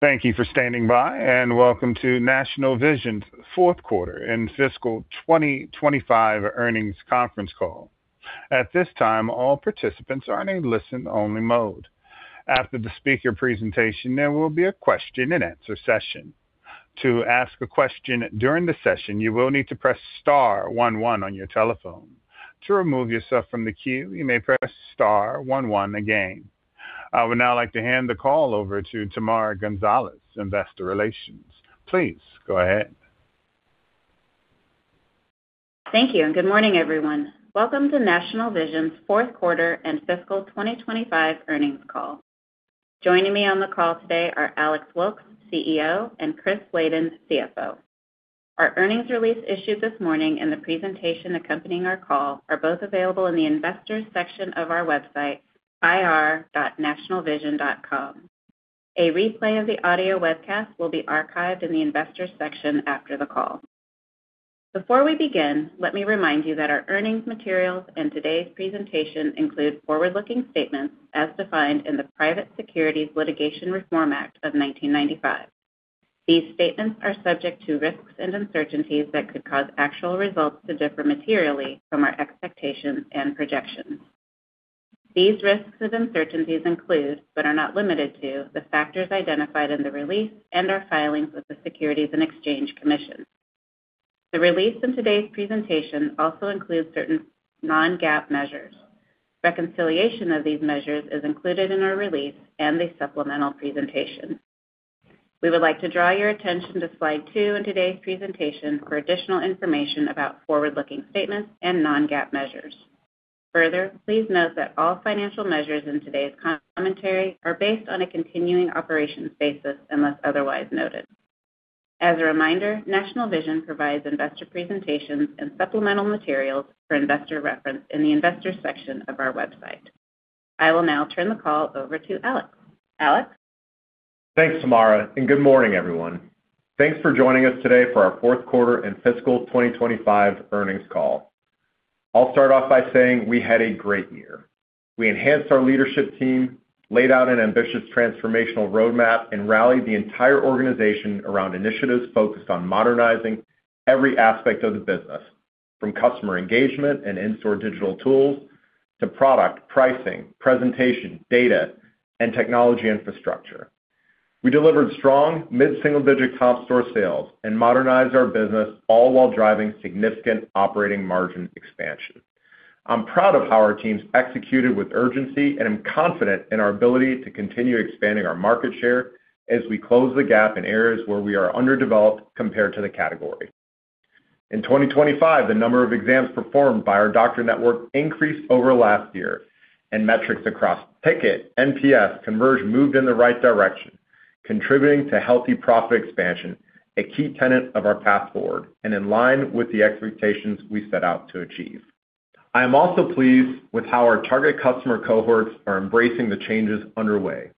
Thank you for standing by. Welcome to National Vision's fourth quarter and fiscal 2025 earnings conference call. At this time, all participants are in a listen only mode. After the speaker presentation, there will be a question and answer session. To ask a question during the session, you will need to press star one one on your telephone. To remove yourself from the queue, you may press star one one again. I would now like to hand the call over to Tamara Gonzalez, Investor Relations. Please go ahead. Thank you, good morning, everyone. Welcome to National Vision's fourth quarter and fiscal 2025 earnings call. Joining me on the call today are Alex Wilkes, CEO, and Chris Laden, CFO. Our earnings release issued this morning and the presentation accompanying our call are both available in the Investors section of our website, ir.nationalvision.com. A replay of the audio webcast will be archived in the Investors section after the call. Before we begin, let me remind you that our earnings materials and today's presentation include forward-looking statements as defined in the Private Securities Litigation Reform Act of 1995. These statements are subject to risks and uncertainties that could cause actual results to differ materially from our expectations and projections. These risks and uncertainties include, but are not limited to, the factors identified in the release and our filings with the Securities and Exchange Commission. The release in today's presentation also includes certain non-GAAP measures. Reconciliation of these measures is included in our release and the supplemental presentation. We would like to draw your attention to slide two in today's presentation for additional information about forward-looking statements and non-GAAP measures. Please note that all financial measures in today's commentary are based on a continuing operations basis unless otherwise noted. As a reminder, National Vision provides investor presentations and supplemental materials for investor reference in the Investors section of our website. I will now turn the call over to Alex. Alex? Thanks, Tamara, and good morning, everyone. Thanks for joining us today for our fourth quarter and fiscal 2025 earnings call. I'll start off by saying we had a great year. We enhanced our leadership team, laid out an ambitious transformational roadmap, and rallied the entire organization around initiatives focused on modernizing every aspect of the business, from customer engagement and in-store digital tools to product pricing, presentation, data, and technology infrastructure. We delivered strong mid-single-digit top store sales and modernized our business, all while driving significant operating margin expansion. I'm proud of how our teams executed with urgency, and I'm confident in our ability to continue expanding our market share as we close the gap in areas where we are underdeveloped compared to the category. In 2025, the number of exams performed by our doctor network increased over last year, metrics across ticket, NPS, conversion moved in the right direction, contributing to healthy profit expansion, a key tenet of our path forward and in line with the expectations we set out to achieve. I am also pleased with how our target customer cohorts are embracing the changes underway.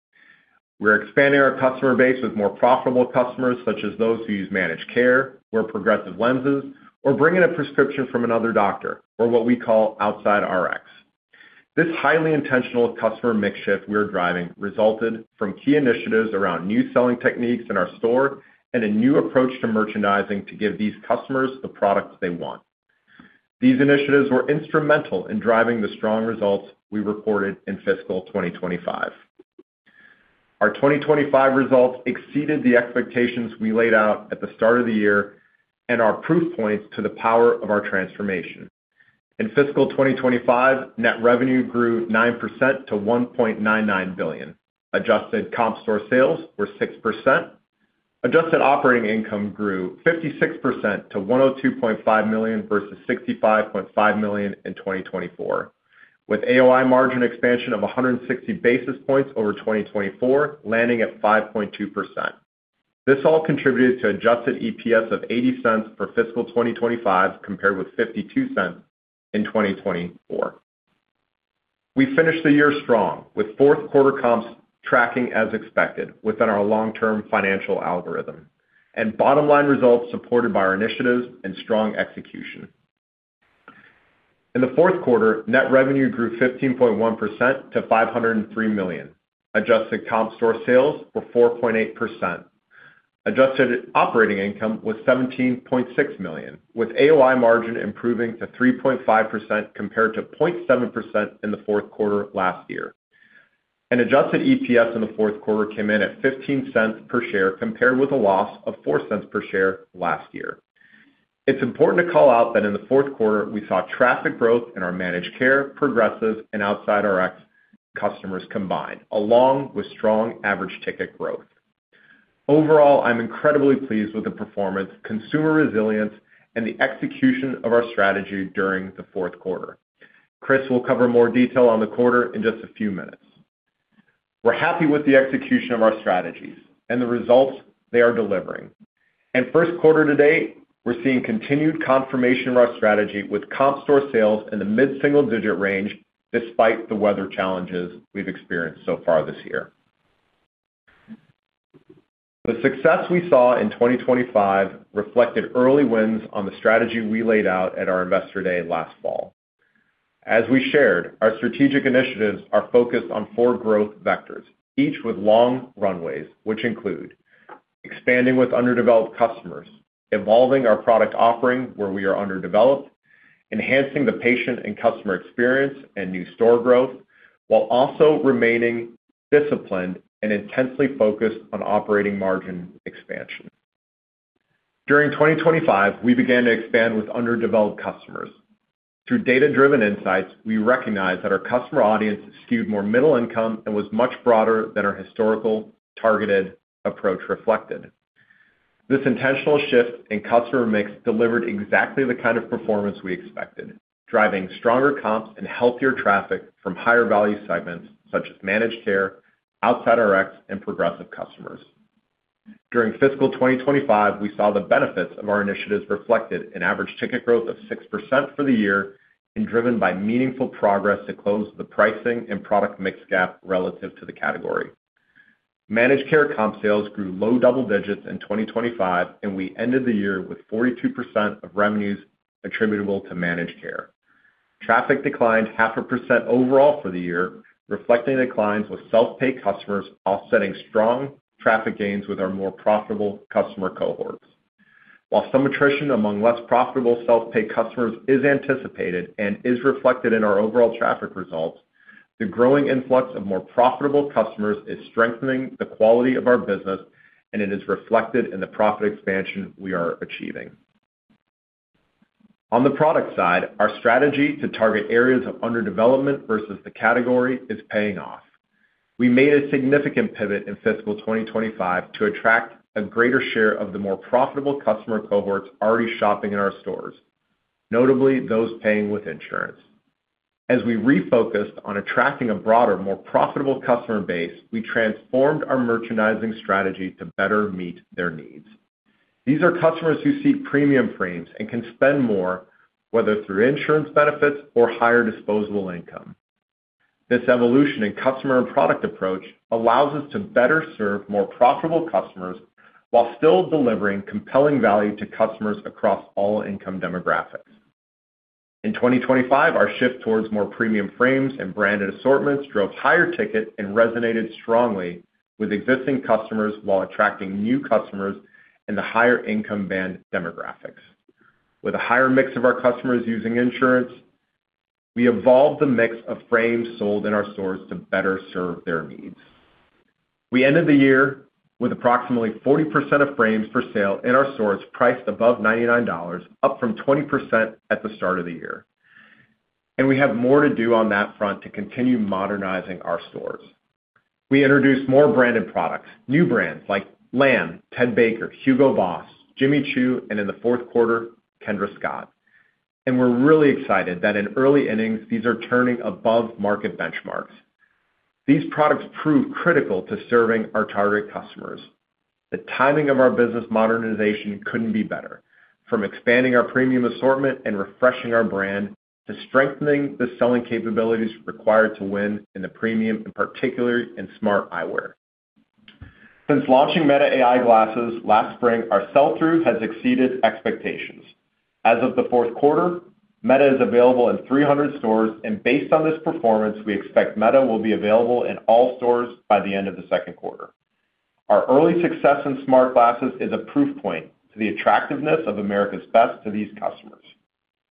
We're expanding our customer base with more profitable customers, such as those who use managed care, wear progressive lenses, or bring in a prescription from another doctor, or what we call outside RX. This highly intentional customer mix shift we're driving resulted from key initiatives around new selling techniques in our store and a new approach to merchandising to give these customers the products they want. These initiatives were instrumental in driving the strong results we reported in fiscal 2025. Our 2025 results exceeded the expectations we laid out at the start of the year and are proof points to the power of our transformation. In fiscal 2025, net revenue grew 9% to $1.99 billion. Adjusted comp store sales were 6%. Adjusted operating income grew 56% to $102.5 million versus $65.5 million in 2024, with AOI margin expansion of 160 basis points over 2024, landing at 5.2%. This all contributed to adjusted EPS of $0.80 for fiscal 2025, compared with $0.52 in 2024. We finished the year strong with fourth quarter comps tracking as expected within our long-term financial algorithm and bottom-line results supported by our initiatives and strong execution. In the fourth quarter, net revenue grew 15.1% to $503 million. Adjusted comp store sales were 4.8%. Adjusted operating income was $17.6 million, with AOI margin improving to 3.5% compared to 0.7% in the fourth quarter last year. An adjusted EPS in the fourth quarter came in at $0.15 per share, compared with a loss of $0.04 per share last year. It's important to call out that in the fourth quarter, we saw traffic growth in our managed care, progressive, and outside RX customers combined, along with strong average ticket growth. Overall, I'm incredibly pleased with the performance, consumer resilience, and the execution of our strategy during the fourth quarter. Chris will cover more detail on the quarter in just a few minutes. We're happy with the execution of our strategies and the results they are delivering. In first quarter to date, we're seeing continued confirmation of our strategy with comp store sales in the mid-single digit range despite the weather challenges we've experienced so far this year. The success we saw in 2025 reflected early wins on the strategy we laid out at our Investor Day last fall. As we shared, our strategic initiatives are focused on four growth vectors, each with long runways, which include expanding with underdeveloped customers, evolving our product offering where we are underdeveloped, enhancing the patient and customer experience and new store growth, while also remaining disciplined and intensely focused on operating margin expansion. During 2025, we began to expand with underdeveloped customers. Through data-driven insights, we recognized that our customer audience skewed more middle income and was much broader than our historical targeted approach reflected. This intentional shift in customer mix delivered exactly the kind of performance we expected, driving stronger comps and healthier traffic from higher value segments such as Managed care, outside RX, and progressive customers. During fiscal 2025, we saw the benefits of our initiatives reflected in average ticket growth of 6% for the year and driven by meaningful progress to close the pricing and product mix gap relative to the category. Managed care comp sales grew low double digits in 2025, and we ended the year with 42% of revenues attributable to Managed care. Traffic declined 0.5% overall for the year, reflecting declines with self-pay customers offsetting strong traffic gains with our more profitable customer cohorts. While some attrition among less profitable self-pay customers is anticipated and is reflected in our overall traffic results, the growing influx of more profitable customers is strengthening the quality of our business, and it is reflected in the profit expansion we are achieving. On the product side, our strategy to target areas of underdevelopment versus the category is paying off. We made a significant pivot in fiscal 2025 to attract a greater share of the more profitable customer cohorts already shopping in our stores, notably those paying with insurance. As we refocused on attracting a broader, more profitable customer base, we transformed our merchandising strategy to better meet their needs. These are customers who seek premium frames and can spend more, whether through insurance benefits or higher disposable income. This evolution in customer and product approach allows us to better serve more profitable customers while still delivering compelling value to customers across all income demographics. In 2025, our shift towards more premium frames and branded assortments drove higher ticket and resonated strongly with existing customers while attracting new customers in the higher income band demographics. With a higher mix of our customers using insurance, we evolved the mix of frames sold in our stores to better serve their needs. We ended the year with approximately 40% of frames for sale in our stores priced above $99, up from 20% at the start of the year. We have more to do on that front to continue modernizing our stores. We introduced more branded products, new brands like L.A.M.B., Ted Baker, Hugo Boss, Jimmy Choo, and in the fourth quarter, Kendra Scott. We're really excited that in early innings these are turning above market benchmarks. These products prove critical to serving our target customers. The timing of our business modernization couldn't be better, from expanding our premium assortment and refreshing our brand to strengthening the selling capabilities required to win in the premium, and particularly in smart eyewear. Since launching Meta AI glasses last spring, our sell-through has exceeded expectations. As of the fourth quarter, Meta is available in 300 stores, and based on this performance, we expect Meta will be available in all stores by the end of the second quarter. Our early success in smart glasses is a proof point to the attractiveness of America's Best to these customers.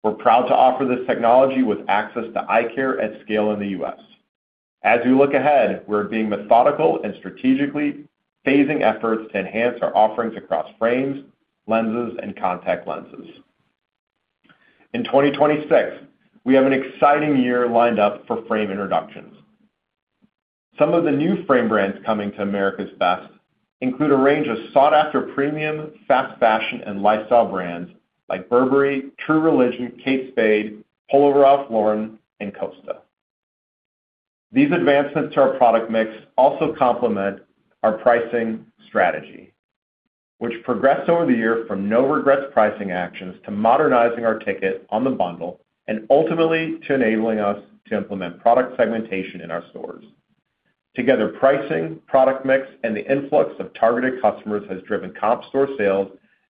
We're proud to offer this technology with access to eye care at scale in the U.S. As we look ahead, we're being methodical and strategically phasing efforts to enhance our offerings across frames, lenses, and contact lenses. In 2026, we have an exciting year lined up for frame introductions. Some of the new frame brands coming to America's Best include a range of sought-after premium fast fashion and lifestyle brands like Burberry, True Religion, Kate Spade, Polo Ralph Lauren, and Costa. These advancements to our product mix also complement our pricing strategy, which progressed over the year from no regrets pricing actions to modernizing our ticket on the bundle and ultimately to enabling us to implement product segmentation in our stores. Together, pricing, product mix, and the influx of targeted customers has driven comp store sales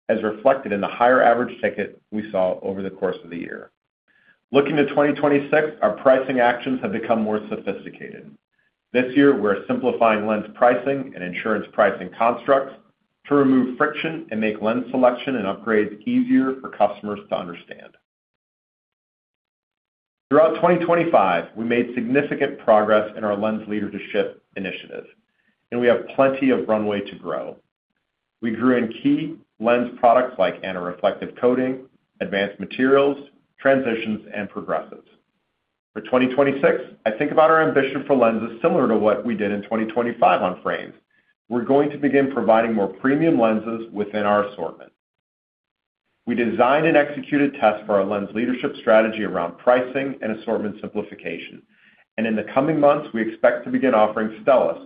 as reflected in the higher average ticket we saw over the course of the year. Looking to 2026, our pricing actions have become more sophisticated. This year, we're simplifying lens pricing and insurance pricing constructs to remove friction and make lens selection and upgrades easier for customers to understand. Throughout 2025, we made significant progress in our lens leadership initiative, and we have plenty of runway to grow. We grew in key lens products like anti-reflective coating, advanced materials, transitions, and progressives. For 2026, I think about our ambition for lenses similar to what we did in 2025 on frames. We're going to begin providing more premium lenses within our assortment. We designed and executed tests for our lens leadership strategy around pricing and assortment simplification. In the coming months, we expect to begin offering Stellest,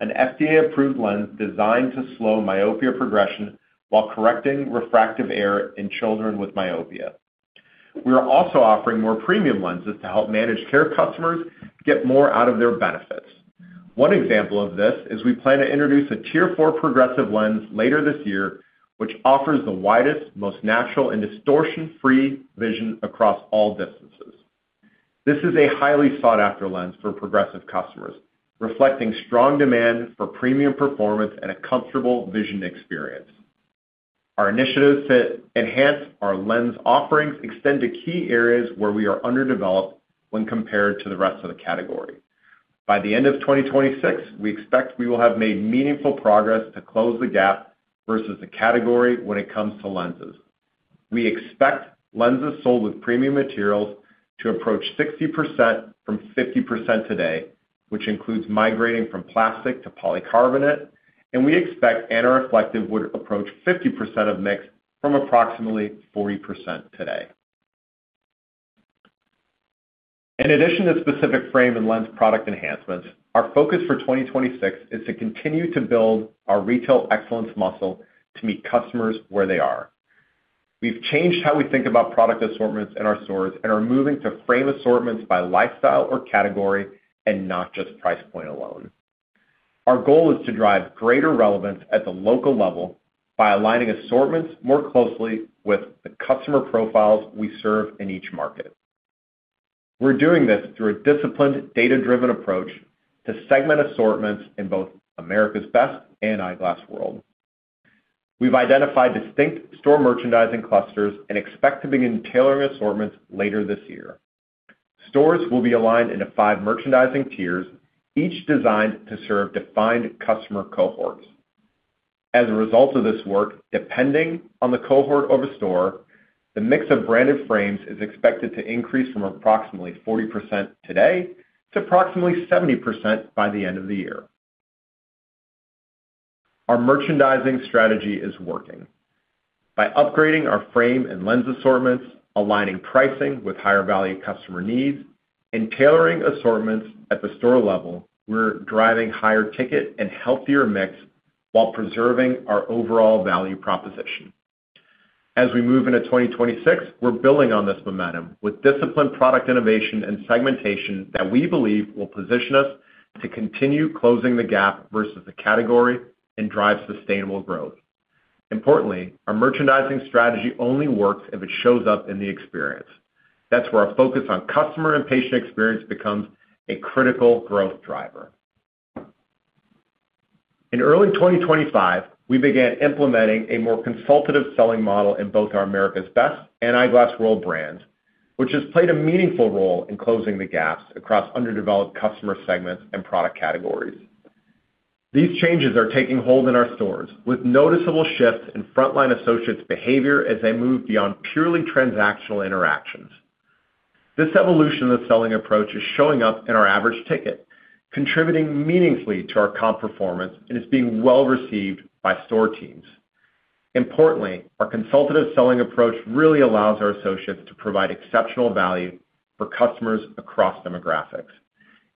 an FDA-approved lens designed to slow myopia progression while correcting refractive error in children with myopia. We are also offering more premium lenses to help managed care customers get more out of their benefits. One example of this is we plan to introduce a tier four progressive lens later this year, which offers the widest, most natural, and distortion-free vision across all distances. This is a highly sought-after lens for progressive customers, reflecting strong demand for premium performance and a comfortable vision experience. Our initiatives to enhance our lens offerings extend to key areas where we are underdeveloped when compared to the rest of the category. By the end of 2026, we expect we will have made meaningful progress to close the gap versus the category when it comes to lenses. We expect lenses sold with premium materials to approach 60% from 50% today, which includes migrating from plastic to polycarbonate. We expect anti-reflective would approach 50% of mix from approximately 40% today. In addition to specific frame and lens product enhancements, our focus for 2026 is to continue to build our retail excellence muscle to meet customers where they are. We've changed how we think about product assortments in our stores, and are moving to frame assortments by lifestyle or category, and not just price point alone. Our goal is to drive greater relevance at the local level by aligning assortments more closely with the customer profiles we serve in each market. We're doing this through a disciplined, data-driven approach to segment assortments in both America's Best and Eyeglass World. We've identified distinct store merchandising clusters and expect to begin tailoring assortments later this year. Stores will be aligned into five merchandising tiers, each designed to serve defined customer cohorts. As a result of this work, depending on the cohort of a store, the mix of branded frames is expected to increase from approximately 40% today to approximately 70% by the end of the year. Our merchandising strategy is working. By upgrading our frame and lens assortments, aligning pricing with higher value customer needs, and tailoring assortments at the store level, we're driving higher ticket and healthier mix while preserving our overall value proposition. As we move into 2026, we're building on this momentum with disciplined product innovation and segmentation that we believe will position us to continue closing the gap versus the category and drive sustainable growth. Importantly, our merchandising strategy only works if it shows up in the experience. That's where our focus on customer and patient experience becomes a critical growth driver. In early 2025, we began implementing a more consultative selling model in both our America's Best and Eyeglass World brands, which has played a meaningful role in closing the gaps across underdeveloped customer segments and product categories. These changes are taking hold in our stores with noticeable shifts in frontline associates' behavior as they move beyond purely transactional interactions. This evolution of the selling approach is showing up in our average ticket, contributing meaningfully to our comp performance, and is being well-received by store teams. Importantly, our consultative selling approach really allows our associates to provide exceptional value for customers across demographics.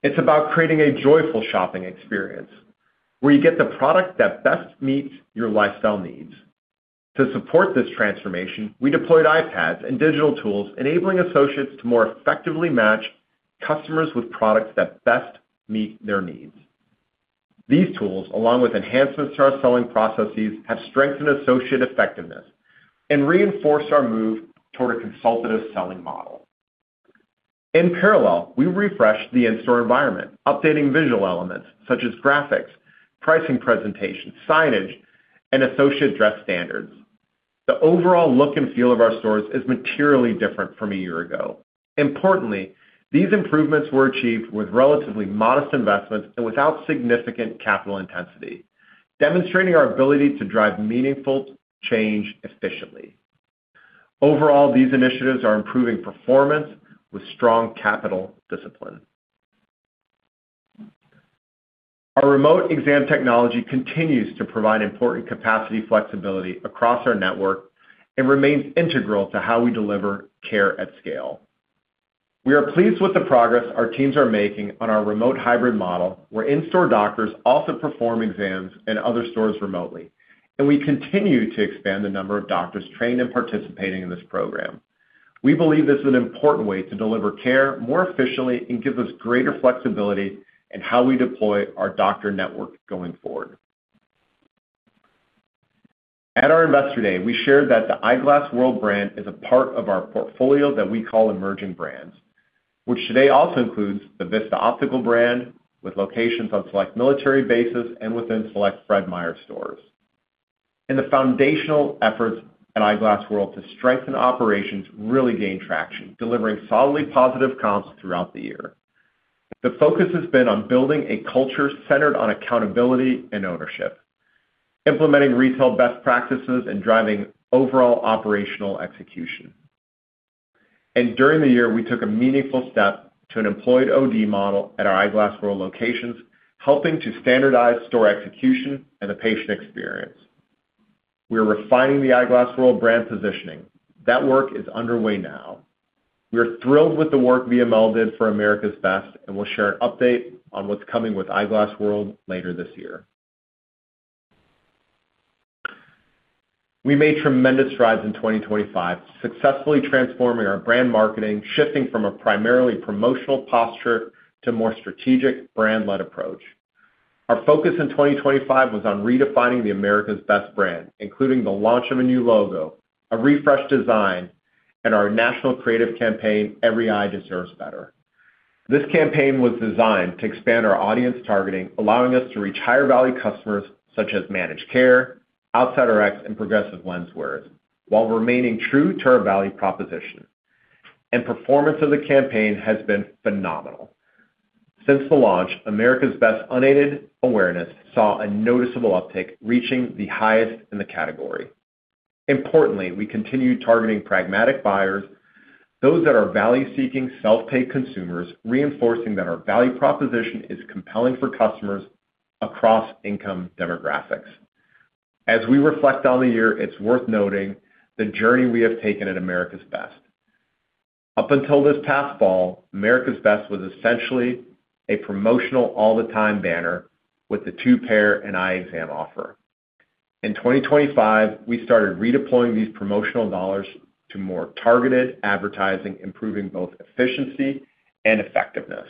It's about creating a joyful shopping experience where you get the product that best meets your lifestyle needs. To support this transformation, we deployed iPads and digital tools, enabling associates to more effectively match customers with products that best meet their needs. These tools, along with enhancements to our selling processes, have strengthened associate effectiveness and reinforced our move toward a consultative selling model. In parallel, we refreshed the in-store environment, updating visual elements, such as graphics, pricing presentations, signage, and associate dress standards. The overall look and feel of our stores is materially different from a year ago. Importantly, these improvements were achieved with relatively modest investments and without significant capital intensity, demonstrating our ability to drive meaningful change efficiently. Overall, these initiatives are improving performance with strong capital discipline. Our remote exam technology continues to provide important capacity flexibility across our network and remains integral to how we deliver care at scale. We are pleased with the progress our teams are making on our remote hybrid model, where in-store doctors also perform exams in other stores remotely, and we continue to expand the number of doctors trained and participating in this program. We believe this is an important way to deliver care more efficiently and gives us greater flexibility in how we deploy our doctor network going forward. At our Investor Day, we shared that the Eyeglass World brand is a part of our portfolio that we call Emerging Brands, which today also includes the Vista Optical brand, with locations on select military bases and within select Fred Meyer stores. The foundational efforts at Eyeglass World to strengthen operations really gained traction, delivering solidly positive comps throughout the year. The focus has been on building a culture centered on accountability and ownership, implementing retail best practices, and driving overall operational execution. During the year, we took a meaningful step to an employed OD model at our Eyeglass World locations, helping to standardize store execution and the patient experience. We are refining the Eyeglass World brand positioning. That work is underway now. We are thrilled with the work VML did for America's Best, and we'll share an update on what's coming with Eyeglass World later this year. We made tremendous strides in 2025, successfully transforming our brand marketing, shifting from a primarily promotional posture to more strategic brand-led approach. Our focus in 2025 was on redefining the America's Best brand, including the launch of a new logo, a refreshed design, and our national creative campaign, Every Eye Deserves Better. This campaign was designed to expand our audience targeting, allowing us to reach higher-value customers such as managed care, outside RX, and progressive lens wearers, while remaining true to our value proposition. Performance of the campaign has been phenomenal. Since the launch, America's Best unaided awareness saw a noticeable uptick, reaching the highest in the category. Importantly, we continue targeting pragmatic buyers, those that are value-seeking, self-pay consumers, reinforcing that our value proposition is compelling for customers across income demographics. As we reflect on the year, it's worth noting the journey we have taken at America's Best. Up until this past fall, America's Best was essentially a promotional all the time banner with the two pair and eye exam offer. In 2025, we started redeploying these promotional dollars to more targeted advertising, improving both efficiency and effectiveness.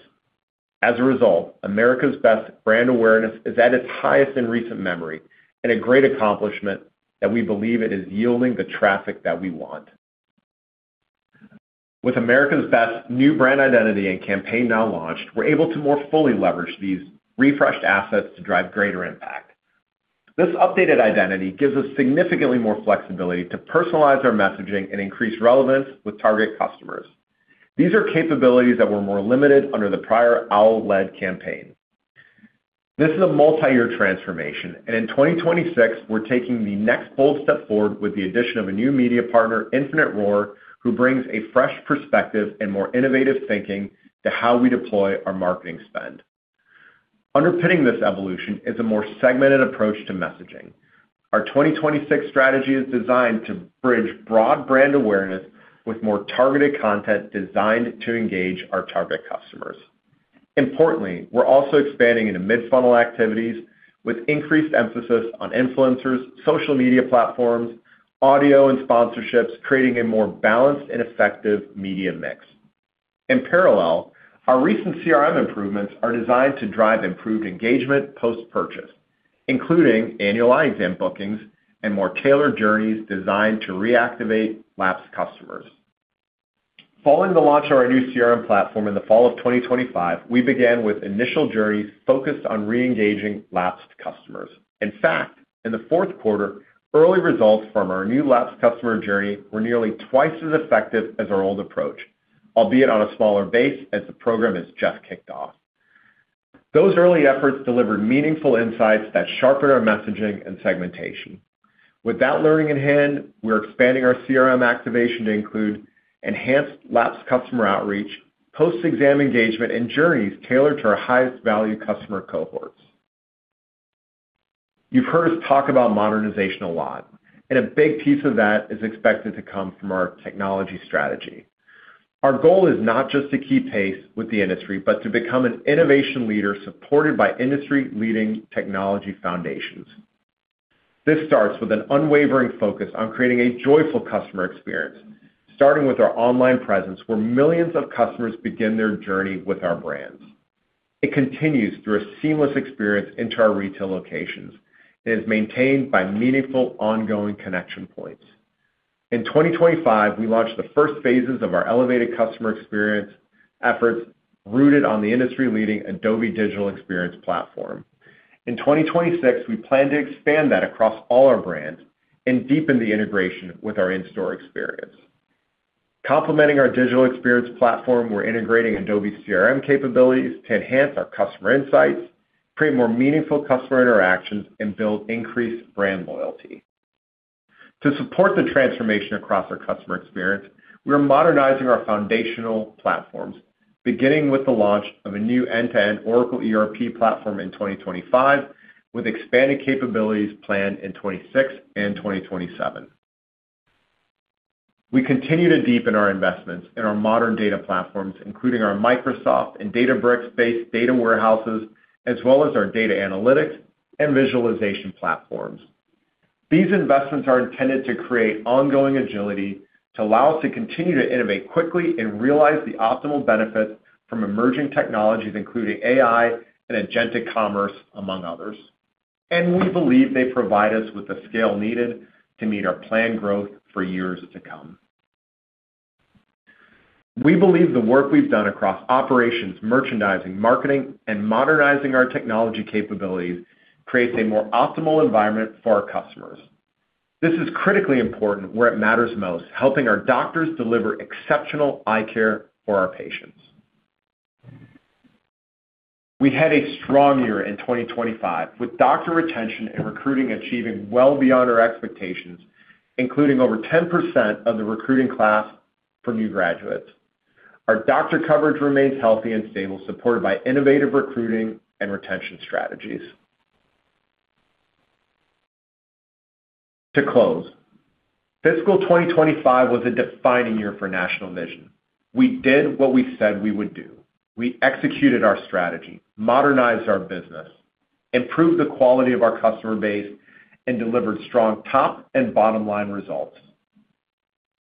As a result, America's Best brand awareness is at its highest in recent memory and a great accomplishment that we believe it is yielding the traffic that we want. With America's Best new brand identity and campaign now launched, we're able to more fully leverage these refreshed assets to drive greater impact. This updated identity gives us significantly more flexibility to personalize our messaging and increase relevance with target customers. These are capabilities that were more limited under the prior owl-led campaign. This is a multi-year transformation. In 2026, we're taking the next bold step forward with the addition of a new media partner, Infinite Roar, who brings a fresh perspective and more innovative thinking to how we deploy our marketing spend. Underpinning this evolution is a more segmented approach to messaging. Our 2026 strategy is designed to bridge broad brand awareness with more targeted content designed to engage our target customers. Importantly, we're also expanding into mid-funnel activities with increased emphasis on influencers, social media platforms, audio and sponsorships, creating a more balanced and effective media mix. In parallel, our recent CRM improvements are designed to drive improved engagement post-purchase, including annual eye exam bookings and more tailored journeys designed to reactivate lapsed customers. Following the launch of our new CRM platform in the fall of 2025, we began with initial journeys focused on re-engaging lapsed customers. In fact, in the fourth quarter, early results from our new lapsed customer journey were nearly twice as effective as our old approach, albeit on a smaller base, as the program has just kicked off. Those early efforts delivered meaningful insights that sharpened our messaging and segmentation. With that learning in hand, we're expanding our CRM activation to include enhanced lapsed customer outreach, post-exam engagement, and journeys tailored to our highest value customer cohorts. You've heard us talk about modernization a lot, a big piece of that is expected to come from our technology strategy. Our goal is not just to keep pace with the industry, to become an innovation leader supported by industry-leading technology foundations. This starts with an unwavering focus on creating a joyful customer experience, starting with our online presence, where millions of customers begin their journey with our brands. It continues through a seamless experience into our retail locations and is maintained by meaningful ongoing connection points. In 2025, we launched the first phases of our elevated customer experience efforts rooted on the industry-leading Adobe Experience Platform. In 2026, we plan to expand that across all our brands and deepen the integration with our in-store experience. Complementing our digital experience platform, we're integrating Adobe CRM capabilities to enhance our customer insights, create more meaningful customer interactions, and build increased brand loyalty. To support the transformation across our customer experience, we are modernizing our foundational platforms, beginning with the launch of a new end-to-end Oracle ERP platform in 2025, with expanded capabilities planned in 2026 and 2027. We continue to deepen our investments in our modern data platforms, including our Microsoft and Databricks-based data warehouses, as well as our data analytics and visualization platforms. These investments are intended to create ongoing agility to allow us to continue to innovate quickly and realize the optimal benefits from emerging technologies, including AI-generated commerce among others. We believe they provide us with the scale needed to meet our planned growth for years to come. We believe the work we've done across operations, merchandising, marketing, and modernizing our technology capabilities creates a more optimal environment for our customers. This is critically important where it matters most, helping our doctors deliver exceptional eye care for our patients. We had a strong year in 2025 with doctor retention and recruiting achieving well beyond our expectations, including over 10% of the recruiting class for new graduates. Our doctor coverage remains healthy and stable, supported by innovative recruiting and retention strategies. To close, Fiscal 2025 was a defining year for National Vision. We did what we said we would do. We executed our strategy, modernized our business, improved the quality of our customer base, and delivered strong top and bottom-line results.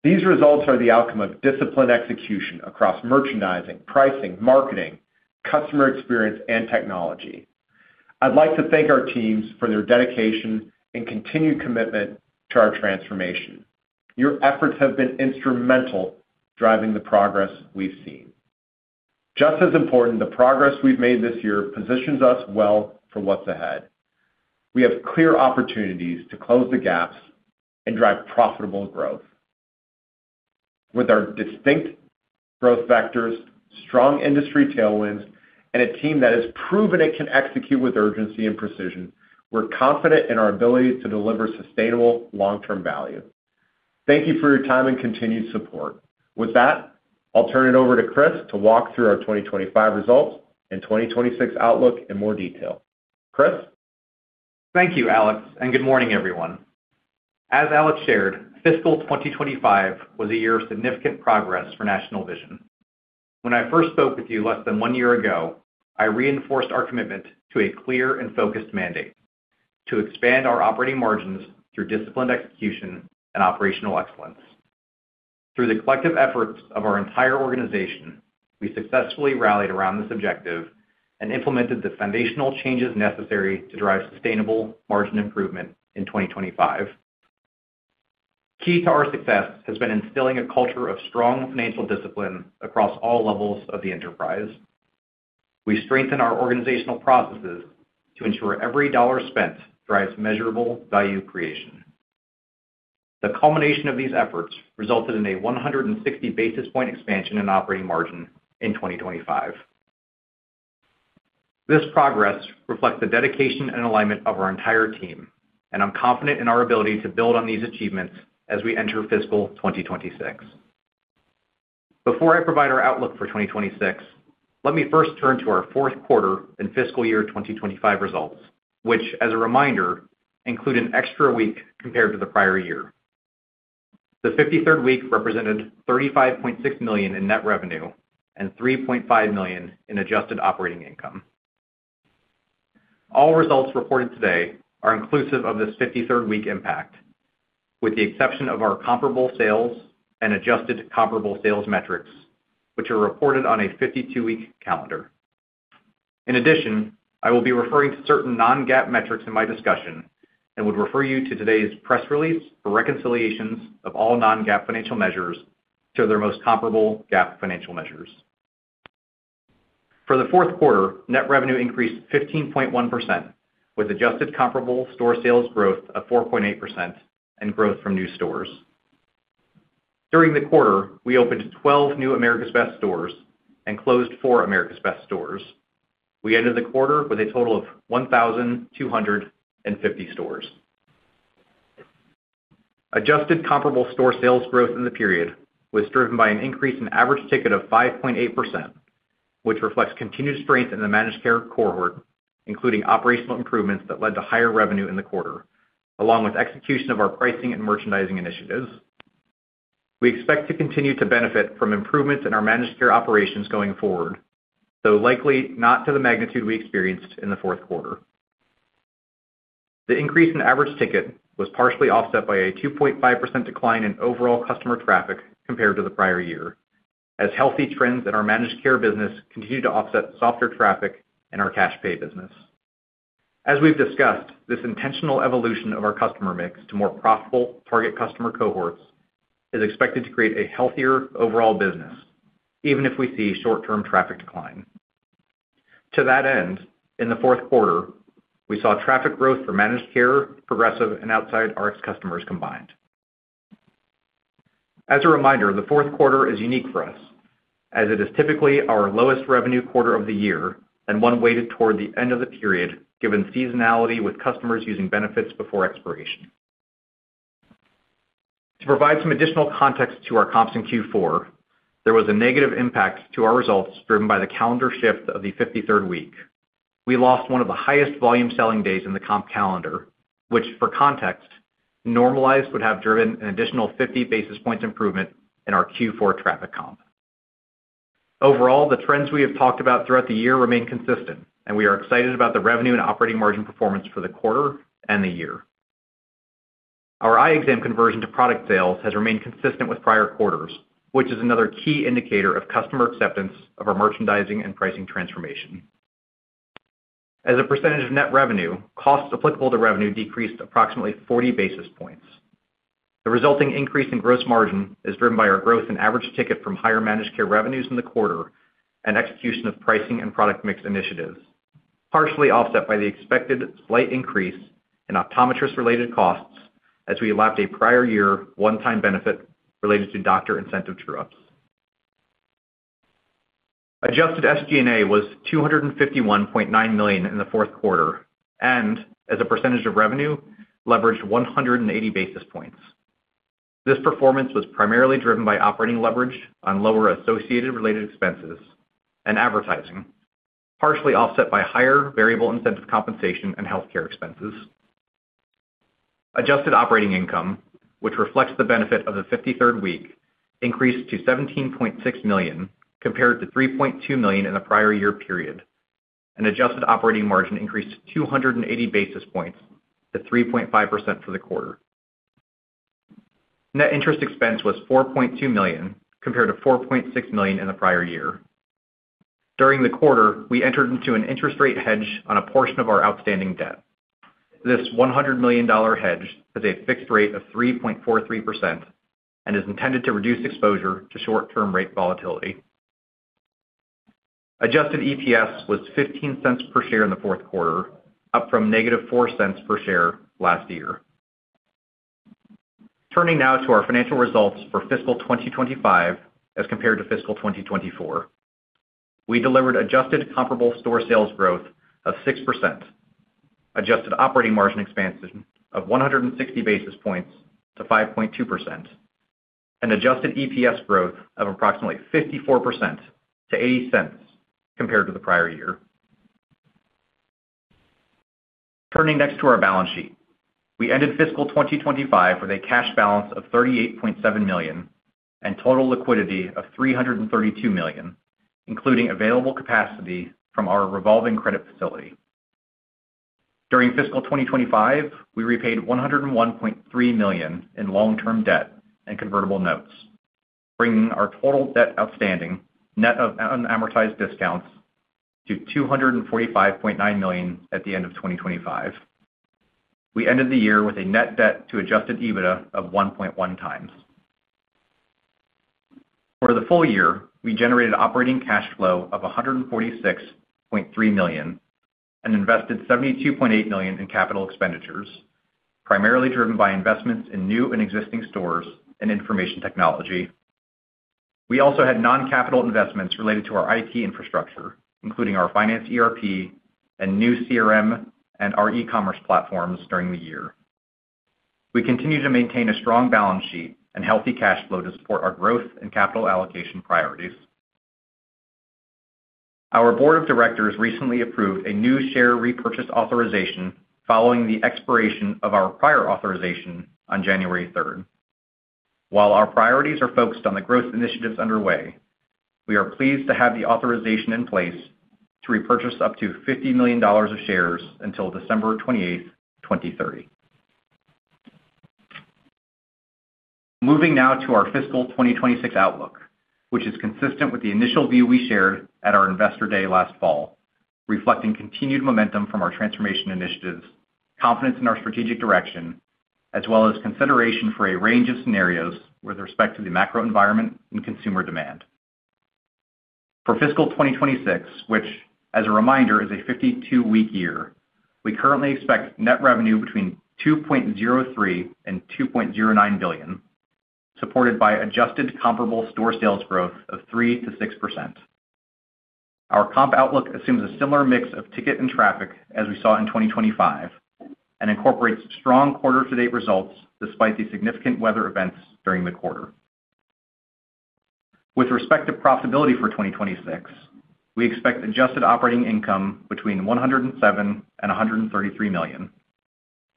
These results are the outcome of disciplined execution across merchandising, pricing, marketing, customer experience, and technology. I'd like to thank our teams for their dedication and continued commitment to our transformation. Your efforts have been instrumental driving the progress we've seen. Just as important, the progress we've made this year positions us well for what's ahead. We have clear opportunities to close the gaps and drive profitable growth. With our distinct growth factors, strong industry tailwinds, and a team that has proven it can execute with urgency and precision, we're confident in our ability to deliver sustainable long-term value. Thank you for your time and continued support. With that, I'll turn it over to Chris to walk through our 2025 results and 2026 outlook in more detail. Chris? Thank you, Alex. Good morning, everyone. As Alex shared, fiscal 2025 was a year of significant progress for National Vision. When I first spoke with you less than one year ago, I reinforced our commitment to a clear and focused mandate: to expand our operating margins through disciplined execution and operational excellence. Through the collective efforts of our entire organization, we successfully rallied around this objective and implemented the foundational changes necessary to drive sustainable margin improvement in 2025. Key to our success has been instilling a culture of strong financial discipline across all levels of the enterprise. We strengthened our organizational processes to ensure every dollar spent drives measurable value creation. The culmination of these efforts resulted in a 160 basis point expansion in operating margin in 2025. This progress reflects the dedication and alignment of our entire team. I'm confident in our ability to build on these achievements as we enter fiscal 2026. Before I provide our outlook for 2026, let me first turn to our fourth quarter and fiscal year 2025 results, which as a reminder, include an extra week compared to the prior year. The 53rd week represented $35.6 million in net revenue and $3.5 million in adjusted operating income. All results reported today are inclusive of this 53rd week impact, with the exception of our comparable sales and adjusted comparable sales metrics, which are reported on a 52-week calendar. I will be referring to certain non-GAAP metrics in my discussion and would refer you to today's press release for reconciliations of all non-GAAP financial measures to their most comparable GAAP financial measures. For the fourth quarter, net revenue increased 15.1% with adjusted comparable store sales growth of 4.8% and growth from new stores. During the quarter, we opened 12 new America's Best stores and closed four America's Best stores. We ended the quarter with a total of 1,250 stores. Adjusted comparable store sales growth in the period was driven by an increase in average ticket of 5.8%, which reflects continued strength in the managed care cohort, including operational improvements that led to higher revenue in the quarter, along with execution of our pricing and merchandising initiatives. We expect to continue to benefit from improvements in our managed care operations going forward, though likely not to the magnitude we experienced in the fourth quarter. The increase in average ticket was partially offset by a 2.5% decline in overall customer traffic compared to the prior year, as healthy trends in our managed care business continue to offset softer traffic in our cash pay business. As we've discussed, this intentional evolution of our customer mix to more profitable target customer cohorts is expected to create a healthier overall business, even if we see short-term traffic decline. To that end, in the fourth quarter, we saw traffic growth for managed care, progressive, and outside RX customers combined. As a reminder, the fourth quarter is unique for us, as it is typically our lowest revenue quarter of the year and one weighted toward the end of the period, given seasonality with customers using benefits before expiration. To provide some additional context to our comps in Q4, there was a negative impact to our results driven by the calendar shift of the 53rd week. We lost one of the highest volume selling days in the comp calendar, which for context, normalized would have driven an additional 50 basis points improvement in our Q4 traffic comp. Overall, the trends we have talked about throughout the year remain consistent. We are excited about the revenue and operating margin performance for the quarter and the year. Our eye exam conversion to product sales has remained consistent with prior quarters, which is another key indicator of customer acceptance of our merchandising and pricing transformation. As a percentage of net revenue, costs applicable to revenue decreased approximately 40 basis points. The resulting increase in gross margin is driven by our growth in average ticket from higher managed care revenues in the fourth quarter and execution of pricing and product mix initiatives, partially offset by the expected slight increase in optometrist-related costs as we lapped a prior year one-time benefit related to doctor incentive true-ups. Adjusted SG&A was $251.9 million in the fourth quarter and as a percentage of revenue, leveraged 180 basis points. This performance was primarily driven by operating leverage on lower associated related expenses and advertising, partially offset by higher variable incentive compensation and healthcare expenses. Adjusted operating income, which reflects the benefit of the 53rd week, increased to $17.6 million compared to $3.2 million in the prior year period, and adjusted operating margin increased 280 basis points to 3.5% for the quarter. Net interest expense was $4.2 million compared to $4.6 million in the prior year. During the quarter, we entered into an interest rate hedge on a portion of our outstanding debt. This $100 million hedge has a fixed rate of 3.43% and is intended to reduce exposure to short-term rate volatility. Adjusted EPS was $0.15 per share in the 4th quarter, up from negative $0.04 per share last year. Turning now to our financial results for fiscal 2025 as compared to fiscal 2024. We delivered adjusted comparable store sales growth of 6%, adjusted operating margin expansion of 160 basis points to 5.2%, and adjusted EPS growth of approximately 54% to $0.80 compared to the prior year. Turning next to our balance sheet. We ended fiscal 2025 with a cash balance of $38.7 million and total liquidity of $332 million, including available capacity from our revolving credit facility. During fiscal 2025, we repaid $101.3 million in long-term debt and convertible notes, bringing our total debt outstanding net of unamortized discounts to $245.9 million at the end of 2025. We ended the year with a net debt to adjusted EBITDA of 1.1 times. For the full year, we generated operating cash flow of $146.3 million and invested $72.8 million in capital expenditures, primarily driven by investments in new and existing stores and information technology. We also had non-capital investments related to our IT infrastructure, including our finance ERP and new CRM and our e-commerce platforms during the year. We continue to maintain a strong balance sheet and healthy cash flow to support our growth and capital allocation priorities. Our board of directors recently approved a new share repurchase authorization following the expiration of our prior authorization on 3 January. While our priorities are focused on the growth initiatives underway, we are pleased to have the authorization in place to repurchase up to $50 million of shares until 28 December 2030. Moving now to our fiscal 2026 outlook, which is consistent with the initial view we shared at our Investor Day last fall, reflecting continued momentum from our transformation initiatives, confidence in our strategic direction, as well as consideration for a range of scenarios with respect to the macro environment and consumer demand. For fiscal 2026, which as a reminder is a 52-week year, we currently expect net revenue between $2.03 billion and $2.09 billion, supported by adjusted comparable store sales growth of 3%-6%. Our comp outlook assumes a similar mix of ticket and traffic as we saw in 2025 and incorporates strong quarter-to-date results despite the significant weather events during the quarter. With respect to profitability for 2026, we expect adjusted operating income between $107 million and $133 million,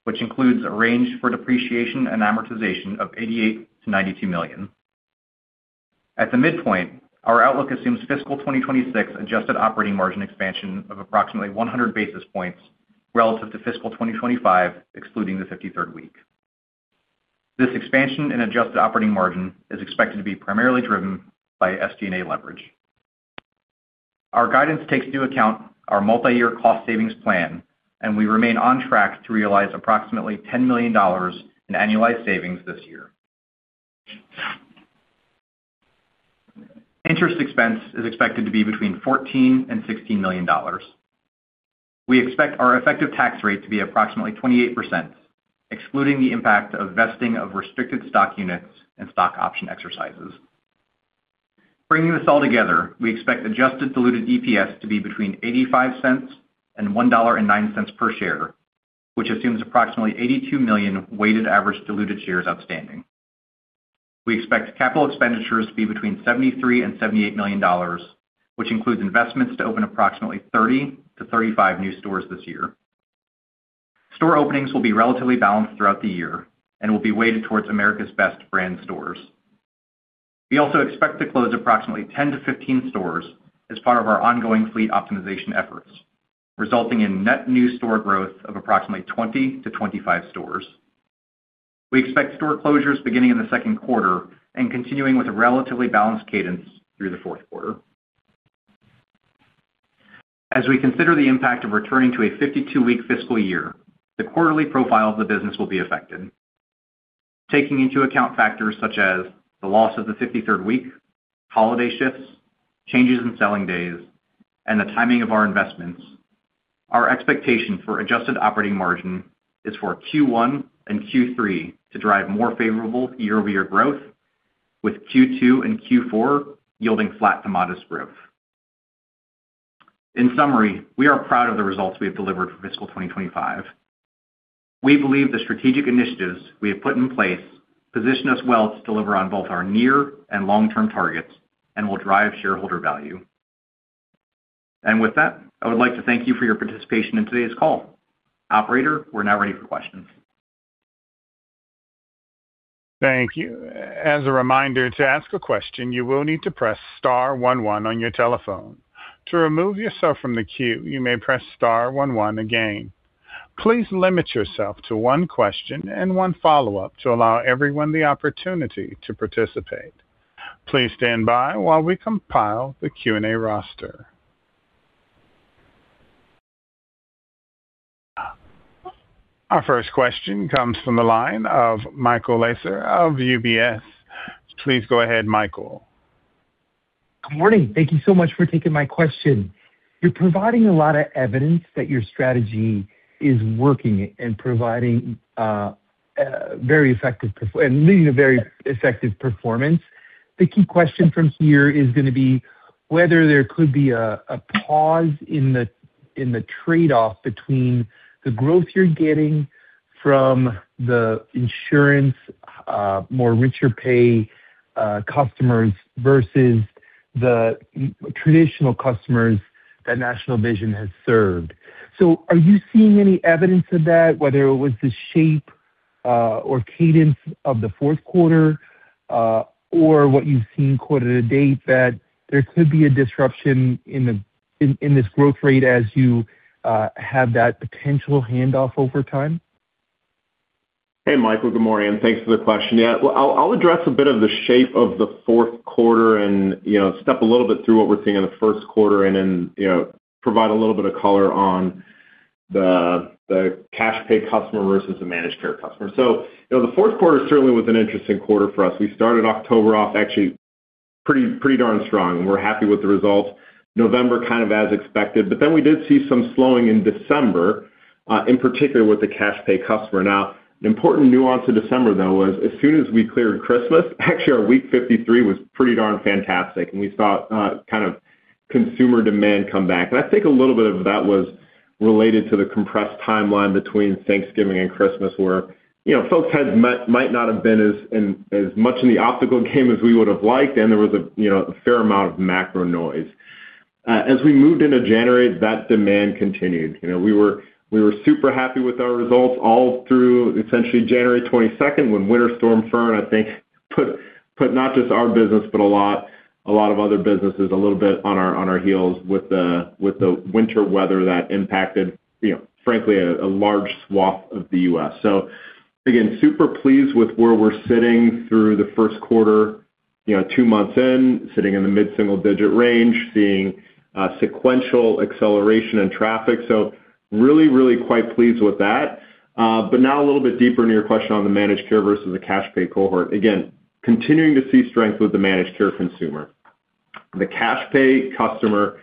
which includes a range for depreciation and amortization of $88 million-$92 million. At the midpoint, our outlook assumes fiscal 2026 adjusted operating margin expansion of approximately 100 basis points relative to fiscal 2025 excluding the 53rd week. This expansion in adjusted operating margin is expected to be primarily driven by SG&A leverage. Our guidance takes into account our multiyear cost savings plan, we remain on track to realize approximately $10 million in annualized savings this year. Interest expense is expected to be between $14 million and $16 million. We expect our effective tax rate to be approximately 28%, excluding the impact of vesting of restricted stock units and stock option exercises. Bringing this all together, we expect adjusted diluted EPS to be between $0.85 and $1.09 per share, which assumes approximately 82 million weighted average diluted shares outstanding. We expect capital expenditures to be between $73 million and $78 million, which includes investments to open approximately 30 to 35 new stores this year. Store openings will be relatively balanced throughout the year and will be weighted towards America's Best Brand stores. We also expect to close approximately 10 to 15 stores as part of our ongoing fleet optimization efforts, resulting in net new store growth of approximately 20 to 25 stores. We expect store closures beginning in the second quarter and continuing with a relatively balanced cadence through the fourth quarter. As we consider the impact of returning to a 52-week fiscal year, the quarterly profile of the business will be affected. Taking into account factors such as the loss of the 53rd week, holiday shifts, changes in selling days, and the timing of our investments. Our expectation for adjusted operating margin is for Q1 and Q3 to drive more favorable year-over-year growth, with Q2 and Q4 yielding flat to modest growth. In summary, we are proud of the results we have delivered for fiscal 2025. We believe the strategic initiatives we have put in place position us well to deliver on both our near and long-term targets and will drive shareholder value. With that, I would like to thank you for your participation in today's call. Operator, we're now ready for questions. Thank you. As a reminder, to ask a question, you will need to press star one one on your telephone. To remove yourself from the queue, you may press star one one again. Please limit yourself to one question and one follow-up to allow everyone the opportunity to participate. Please stand by while we compile the Q&A roster. Our first question comes from the line of Michael Lasser of UBS. Please go ahead, Michael. Good morning. Thank you so much for taking my question. You're providing a lot of evidence that your strategy is working and leading to very effective performance. The key question from here is gonna be whether there could be a pause in the trade-off between the growth you're getting from the insurance, more richer pay customers versus the traditional customers that National Vision has served. Are you seeing any evidence of that, whether it was the shape or cadence of the fourth quarter, or what you've seen quarter to date, that there could be a disruption in this growth rate as you have that potential handoff over time? Hey, Michael, good morning, thanks for the question. I'll address a bit of the shape of the fourth quarter, step a little bit through what we're seeing in the first quarter, provide a little bit of color on the cash pay customer versus the managed care customer. The fourth quarter certainly was an interesting quarter for us. We started October off actually pretty darn strong, we're happy with the results. November, kind of as expected, we did see some slowing in December, in particular with the cash pay customer. An important nuance of December, though, was as soon as we cleared Christmas, actually our week 53 was pretty darn fantastic, we saw kind of consumer demand come back. I think a little bit of that was related to the compressed timeline between Thanksgiving and Christmas, where, you know, folks might not have been as much in the optical game as we would have liked, and there was a, you know, a fair amount of macro noise. As we moved into January, that demand continued. You know, we were super happy with our results all through essentially 22 January when Winter Storm Fern, I think, put not just our business, but a lot of other businesses a little bit on our heels with the winter weather that impacted, you know, frankly, a large swath of the U.S. Again, super pleased with where we're sitting through the first quarter, you know, two months in, sitting in the mid-single-digit range, seeing sequential acceleration and traffic. Really, really quite pleased with that. Now a little bit deeper into your question on the managed care versus the cash pay cohort. Again, continuing to see strength with the managed care consumer. The cash pay customer,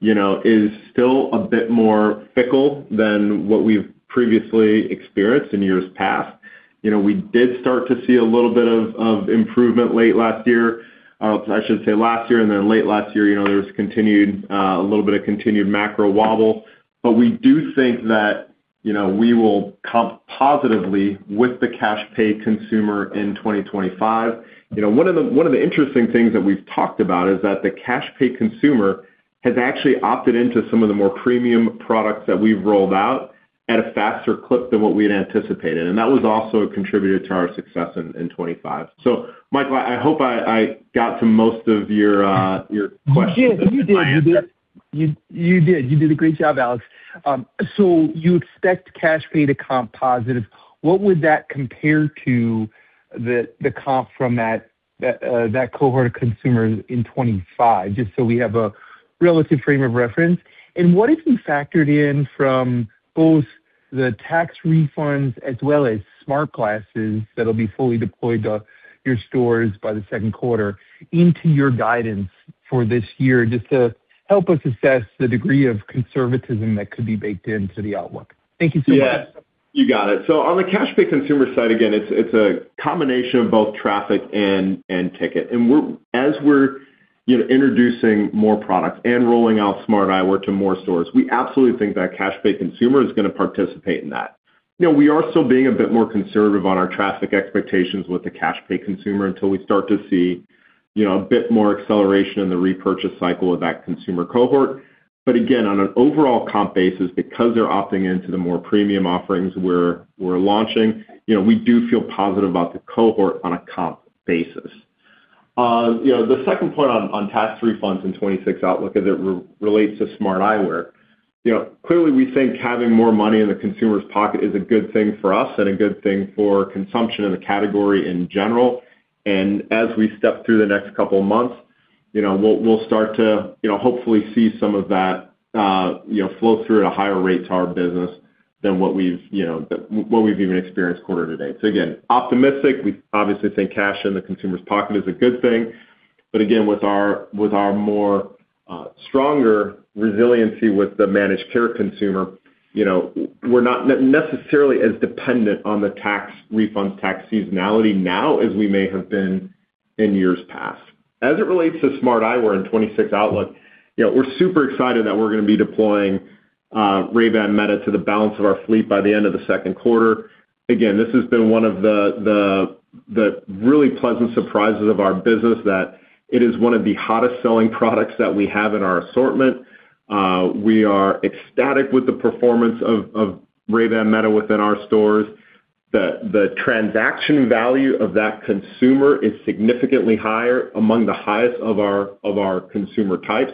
you know, is still a bit more fickle than what we've previously experienced in years past. You know, we did start to see a little bit of improvement late last year. I should say last year and then late last year. You know, there was continued a little bit of continued macro wobble. We do think that, you know, we will comp positively with the cash pay consumer in 2025. You know, one of the interesting things that we've talked about is that the cash pay consumer has actually opted into some of the more premium products that we've rolled out at a faster clip than what we had anticipated. That was also a contributor to our success in 2025. Michael, I hope I got to most of your questions. You did a great job, Alex. You expect cash pay to comp positive. What would that compare to the comp from that cohort of consumers in 25? Just so we have a relative frame of reference. What have you factored in from both the tax refunds as well as smart glasses that'll be fully deployed to your stores by the second quarter into your guidance for this year, just to help us assess the degree of conservatism that could be baked into the outlook? Thank you so much. Yeah. You got it. On the cash pay consumer side, again, it's a combination of both traffic and ticket. As we're, you know, introducing more products and rolling out smart eyewear to more stores, we absolutely think that cash pay consumer is gonna participate in that. You know, we are still being a bit more conservative on our traffic expectations with the cash pay consumer until we start to see, you know, a bit more acceleration in the repurchase cycle of that consumer cohort. Again, on an overall comp basis, because they're opting into the more premium offerings we're launching, you know, we do feel positive about the cohort on a comp basis. You know, the second point on tax refunds in 2026 outlook as it relates to smart eyewear. You know, clearly we think having more money in the consumer's pocket is a good thing for us and a good thing for consumption in the category in general. As we step through the next couple of months, you know, we'll start to, you know, hopefully see some of that, you know, flow through at a higher rate to our business than what we've, you know, than what we've even experienced quarter to date. Again, optimistic. We obviously think cash in the consumer's pocket is a good thing. Again, with our, with our more, stronger resiliency with the managed care consumer, you know, we're not necessarily as dependent on the tax refunds, tax seasonality now as we may have been in years past. As it relates to smart eyewear in 2026 outlook, you know, we're super excited that we're gonna be deploying Ray-Ban Meta to the balance of our fleet by the end of the second quarter. This has been one of the really pleasant surprises of our business that it is one of the hottest selling products that we have in our assortment. We are ecstatic with the performance of Ray-Ban Meta within our stores. The transaction value of that consumer is significantly higher, among the highest of our consumer types.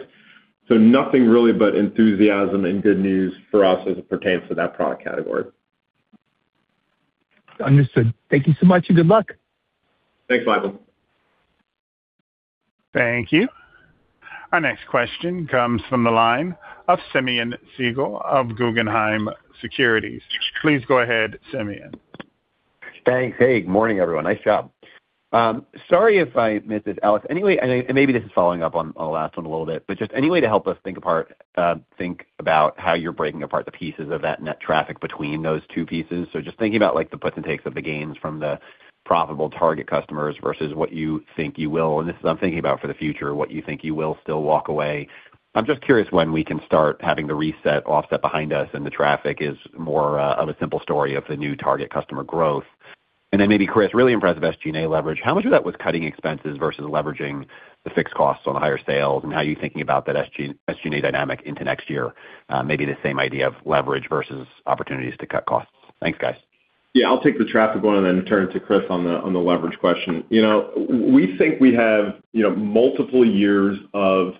Nothing really but enthusiasm and good news for us as it pertains to that product category. Understood. Thank you so much, and good luck. Thanks, Michael. Thank you. Our next question comes from the line of Simeon Siegel of Guggenheim Securities. Please go ahead, Simeon. Thanks. Hey, good morning, everyone. Nice job. Sorry if I missed it, Alex. Maybe this is following up on the last one a little bit, but just any way to help us think about how you're breaking apart the pieces of that net traffic between those two pieces. Just thinking about like the puts and takes of the gains from the profitable target customers versus what you think you will, and this is I'm thinking about for the future, what you think you will still walk away. I'm just curious when we can start having the reset offset behind us, and the traffic is more of a simple story of the new target customer growth. Then maybe Chris, really impressive SG&A leverage. How much of that was cutting expenses versus leveraging the fixed costs on the higher sales, and how are you thinking about that SG&A dynamic into next year? Maybe the same idea of leverage versus opportunities to cut costs. Thanks, guys. Yeah, I'll take the traffic one and then turn to Chris on the leverage question. You know, we think we have, you know, multiple years of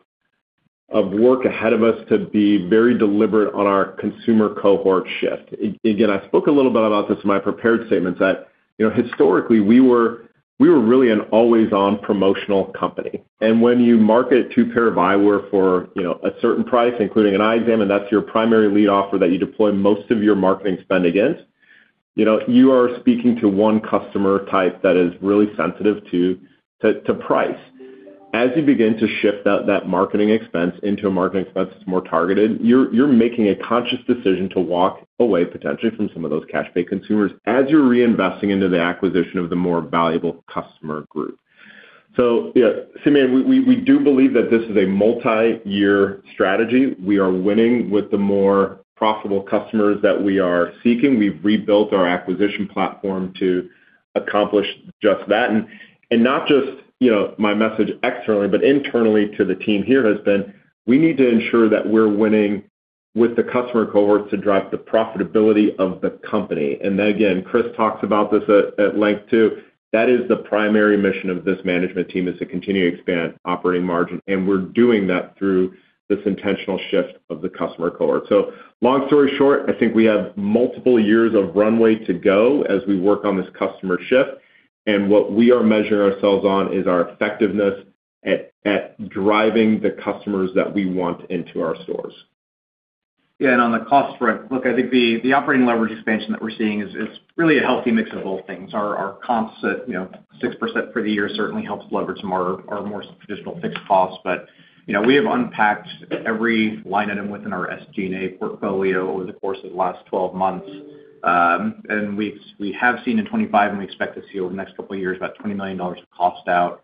work ahead of us to be very deliberate on our consumer cohort shift. Again, I spoke a little bit about this in my prepared statements that, you know, historically we were really an always-on promotional company. When you market two pair of eyewear for, you know, a certain price, including an eye exam, and that's your primary lead offer that you deploy most of your marketing spend against, you know, you are speaking to one customer type that is really sensitive to price. As you begin to shift that marketing expense into a marketing expense that's more targeted, you're making a conscious decision to walk away potentially from some of those cash-paid consumers as you're reinvesting into the acquisition of the more valuable customer group. Yeah, Simeon Gutman, we do believe that this is a multi-year strategy. We are winning with the more profitable customers that we are seeking. We've rebuilt our acquisition platform to accomplish just that. Not just, you know, my message externally, but internally to the team here has been, we need to ensure that we're winning with the customer cohorts to drive the profitability of the company. Again, Chris talks about this at length too. That is the primary mission of this management team, is to continue to expand operating margin, and we're doing that through this intentional shift of the customer cohort. Long story short, I think we have multiple years of runway to go as we work on this customer shift, and what we are measuring ourselves on is our effectiveness at driving the customers that we want into our stores. Yeah. On the cost front, look, I think the operating leverage expansion that we're seeing is really a healthy mix of both things. Our comps at, you know, 6% for the year certainly helps leverage some more our more traditional fixed costs. You know, we have unpacked every line item within our SG&A portfolio over the course of the last 12 months. We have seen in 2025, and we expect to see over the next couple of years, about $20 million of cost out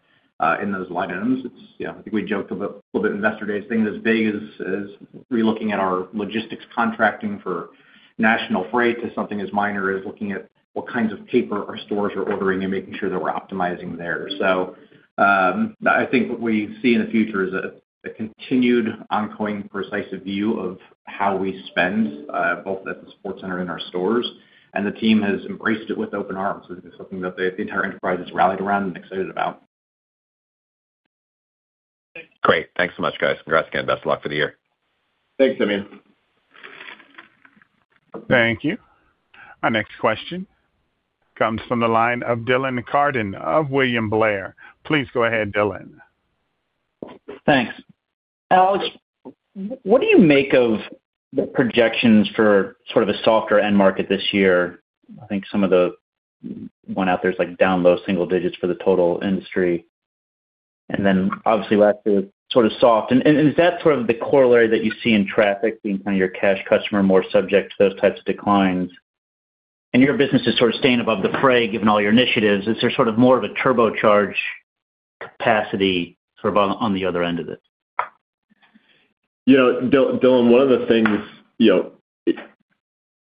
in those line items. Yeah, I think we joked a little bit at Investor Day, things as big as relooking at our logistics contracting for national freight to something as minor as looking at what kinds of paper our stores are ordering and making sure that we're optimizing there. I think what we see in the future is a continued ongoing, precise view of how we spend, both at the support center and our stores, and the team has embraced it with open arms. It's something that the entire enterprise has rallied around and excited about. Great. Thanks so much, guys. Congrats again. Best of luck for the year. Thanks, Simeon. Thank you. Our next question comes from the line of Dylan Carden of William Blair. Please go ahead, Dylan. Thanks. Alex, what do you make of the projections for sort of a softer end market this year? I think some of the one out there is like down low single digits for the total industry. Then obviously we're actually sort of soft. Is that sort of the corollary that you see in traffic being kind of your cash customer more subject to those types of declines? Your business is sort of staying above the fray given all your initiatives. Is there sort of more of a turbocharged capacity sort of on the other end of this? You know, Dylan, one of the things, you know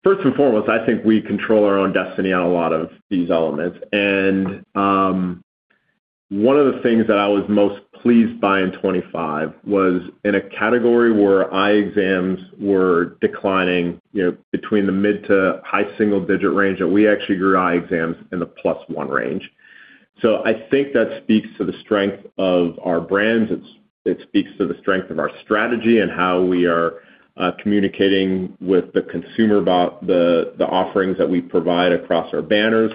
first and foremost, I think we control our own destiny on a lot of these elements. One of the things that I was most pleased by in 25 was in a category where eye exams were declining, you know, between the mid-to-high single-digit % range, and we actually grew eye exams in the +1% range. I think that speaks to the strength of our brands. It speaks to the strength of our strategy and how we are communicating with the consumer about the offerings that we provide across our banners.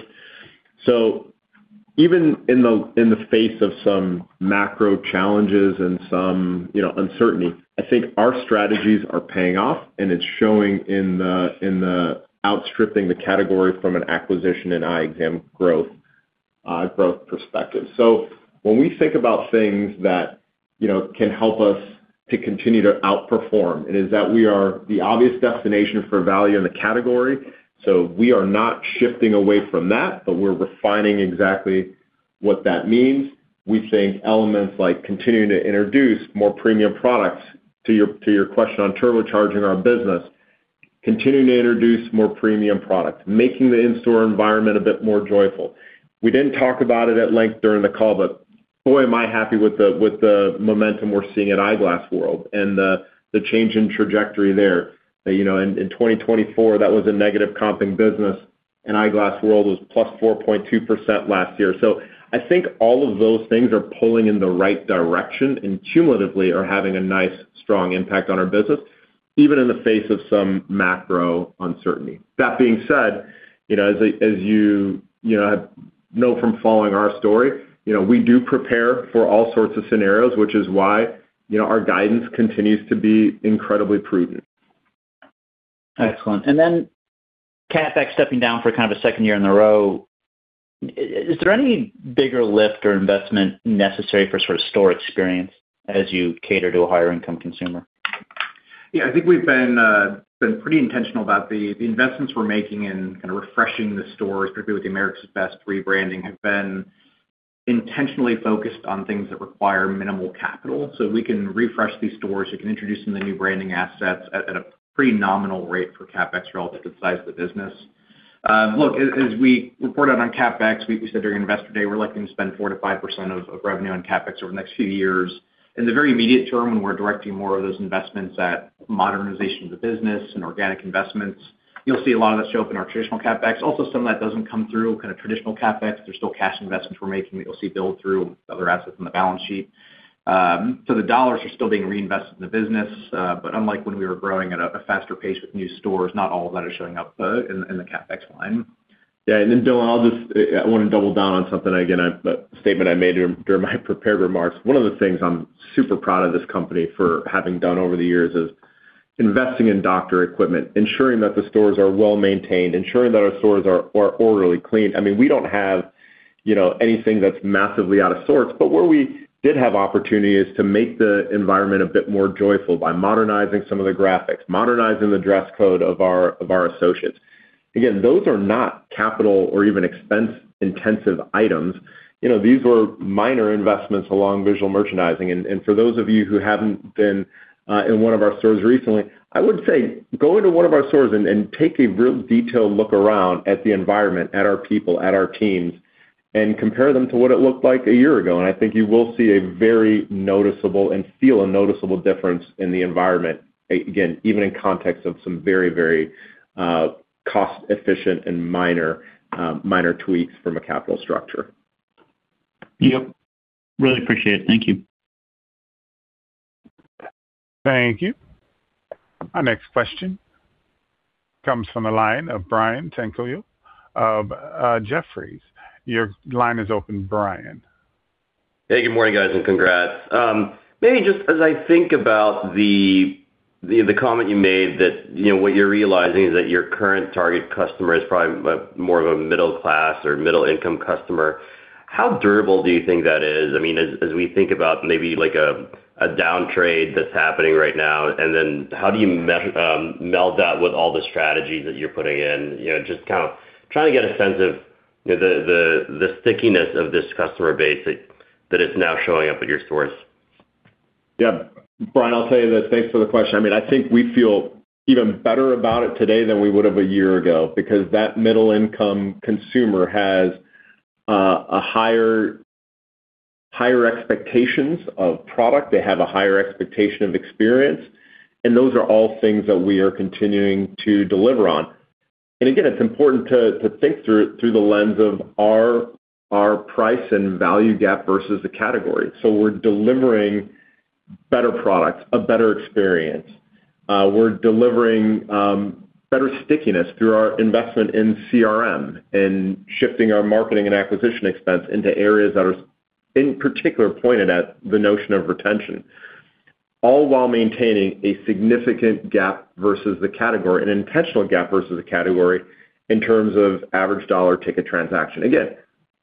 Even in the face of some macro challenges and some, you know, uncertainty, I think our strategies are paying off, and it's showing in the outstripping the category from an acquisition and eye exam growth perspective. When we think about things that you know, can help us to continue to outperform. It is that we are the obvious destination for value in the category. We are not shifting away from that, but we're refining exactly what that means. We think elements like continuing to introduce more premium products, to your question on turbocharging our business, continuing to introduce more premium products, making the in-store environment a bit more joyful. We didn't talk about it at length during the call, but boy, am I happy with the momentum we're seeing at Eyeglass World and the change in trajectory there. You know, in 2024, that was a negative comping business, and Eyeglass World was +4.2% last year. I think all of those things are pulling in the right direction and cumulatively are having a nice, strong impact on our business, even in the face of some macro uncertainty. That being said, you know, as you know from following our story, you know, we do prepare for all sorts of scenarios, which is why, you know, our guidance continues to be incredibly prudent. Excellent. CapEx stepping down for kind of a second year in a row. Is there any bigger lift or investment necessary for sort of store experience as you cater to a higher income consumer? Yeah. I think we've been pretty intentional about the investments we're making in kind of refreshing the stores, particularly with the America's Best rebranding, have been intentionally focused on things that require minimal capital. We can refresh these stores. We can introduce some of the new branding assets at a pretty nominal rate for CapEx relative to the size of the business. Look, as we reported on CapEx, we said during Investor Day, we're looking to spend 4%-5% of revenue on CapEx over the next few years. In the very immediate term, when we're directing more of those investments at modernization of the business and organic investments, you'll see a lot of that show up in our traditional CapEx. Also, some of that doesn't come through kind of traditional CapEx. There's still cash investments we're making that you'll see build through other assets on the balance sheet. The dollars are still being reinvested in the business, unlike when we were growing at a faster pace with new stores, not all of that is showing up in the CapEx line. Yeah. Dylan, I want to double down on something again, a statement I made during my prepared remarks. One of the things I'm super proud of this company for having done over the years is investing in doctor equipment, ensuring that the stores are well-maintained, ensuring that our stores are orally clean. I mean, we don't have, you know, anything that's massively out of sorts, but where we did have opportunity is to make the environment a bit more joyful by modernizing some of the graphics, modernizing the dress code of our associates. Again, those are not capital or even expense-intensive items. You know, these were minor investments along visual merchandising. For those of you who haven't been in one of our stores recently, I would say go into one of our stores and take a real detailed look around at the environment, at our people, at our teams, and compare them to what it looked like a year ago, and I think you will see a very noticeable and feel a noticeable difference in the environment, again, even in context of some very, very cost-efficient and minor tweaks from a capital structure. Yep. Really appreciate it. Thank you. Thank you. Our next question comes from the line of Brian Tanquilut of Jefferies. Your line is open, Brian. Hey, good morning, guys. Congrats. Maybe just as I think about the comment you made that, you know, what you're realizing is that your current target customer is probably more of a middle class or middle income customer? How durable do you think that is? I mean, as we think about maybe like a down trade that's happening right now, and then how do you meld that with all the strategies that you're putting in? You know, just kind of trying to get a sense of, you know, the stickiness of this customer base that is now showing up at your stores. Brian, I'll tell you this. Thanks for the question. I mean, I think we feel even better about it today than we would've a year ago because that middle income consumer has a higher expectations of product. They have a higher expectation of experience, and those are all things that we are continuing to deliver on. Again, it's important to think through the lens of our price and value gap versus the category. We're delivering better products, a better experience. We're delivering better stickiness through our investment in CRM and shifting our marketing and acquisition expense into areas that are in particular pointed at the notion of retention, all while maintaining a significant gap versus the category, an intentional gap versus the category in terms of average dollar ticket transaction.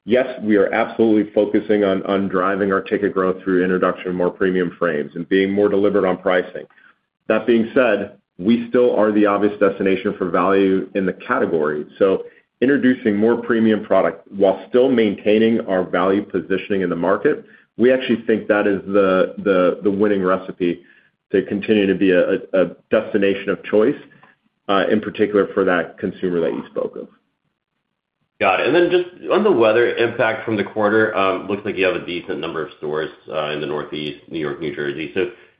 Yes, we are absolutely focusing on driving our ticket growth through introduction of more premium frames and being more deliberate on pricing. That being said, we still are the obvious destination for value in the category. Introducing more premium product while still maintaining our value positioning in the market, we actually think that is the winning recipe to continue to be a destination of choice in particular for that consumer that you spoke of. Got it. Just on the weather impact from the quarter, looks like you have a decent number of stores in the Northeast, New York, New Jersey.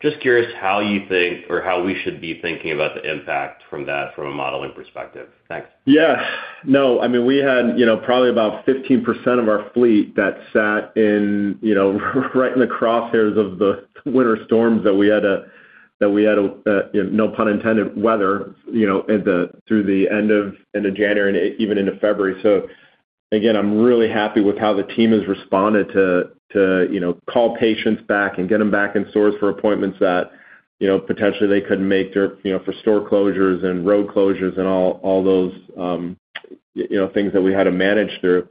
Just curious how you think or how we should be thinking about the impact from that from a modeling perspective? Thanks. Yeah. No. I mean, we had, you know, probably about 15% of our fleet that sat in, you know, right in the crosshairs of the winter storms that we had to, that we had to, you know, no pun intended, weather, you know, through the end of January and even into February. Again, I'm really happy with how the team has responded to, you know, call patients back and get them back in stores for appointments that, you know, potentially they couldn't make their, you know, for store closures and road closures and all those, you know, things that we had to manage through.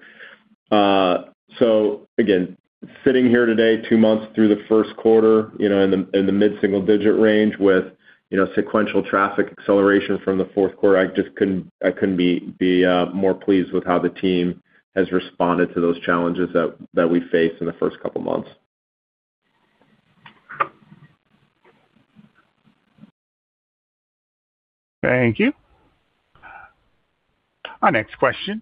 Again, sitting here today, two months through the first quarter, you know, in the mid-single digit range with, you know, sequential traffic acceleration from the fourth quarter. I just couldn't be more pleased with how the team has responded to those challenges that we face in the first couple of months. Thank you. Our next question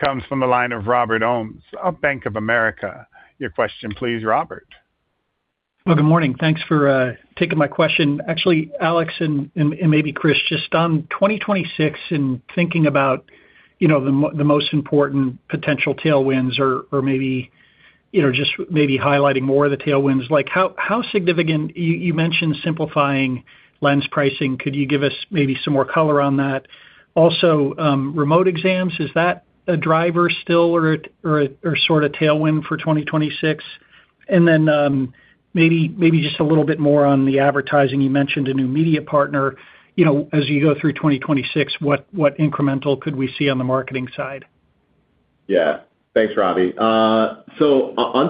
comes from the line of Robert Ohmes of Bank of America. Your question please, Robert. Well, good morning. Thanks for taking my question. Actually, Alex and maybe Chris, just on 2026 and thinking about, you know, the most important potential tailwinds or maybe, you know, just maybe highlighting more of the tailwinds. Like, how significant. You, you mentioned simplifying lens pricing. Could you give us maybe some more color on that? Also, remote exams, is that a driver still or a sort of tailwind for 2026? Then, maybe just a little bit more on the advertising. You mentioned a new media partner. You know, as you go through 2026, what incremental could we see on the marketing side? Yeah. Thanks, Robbie. On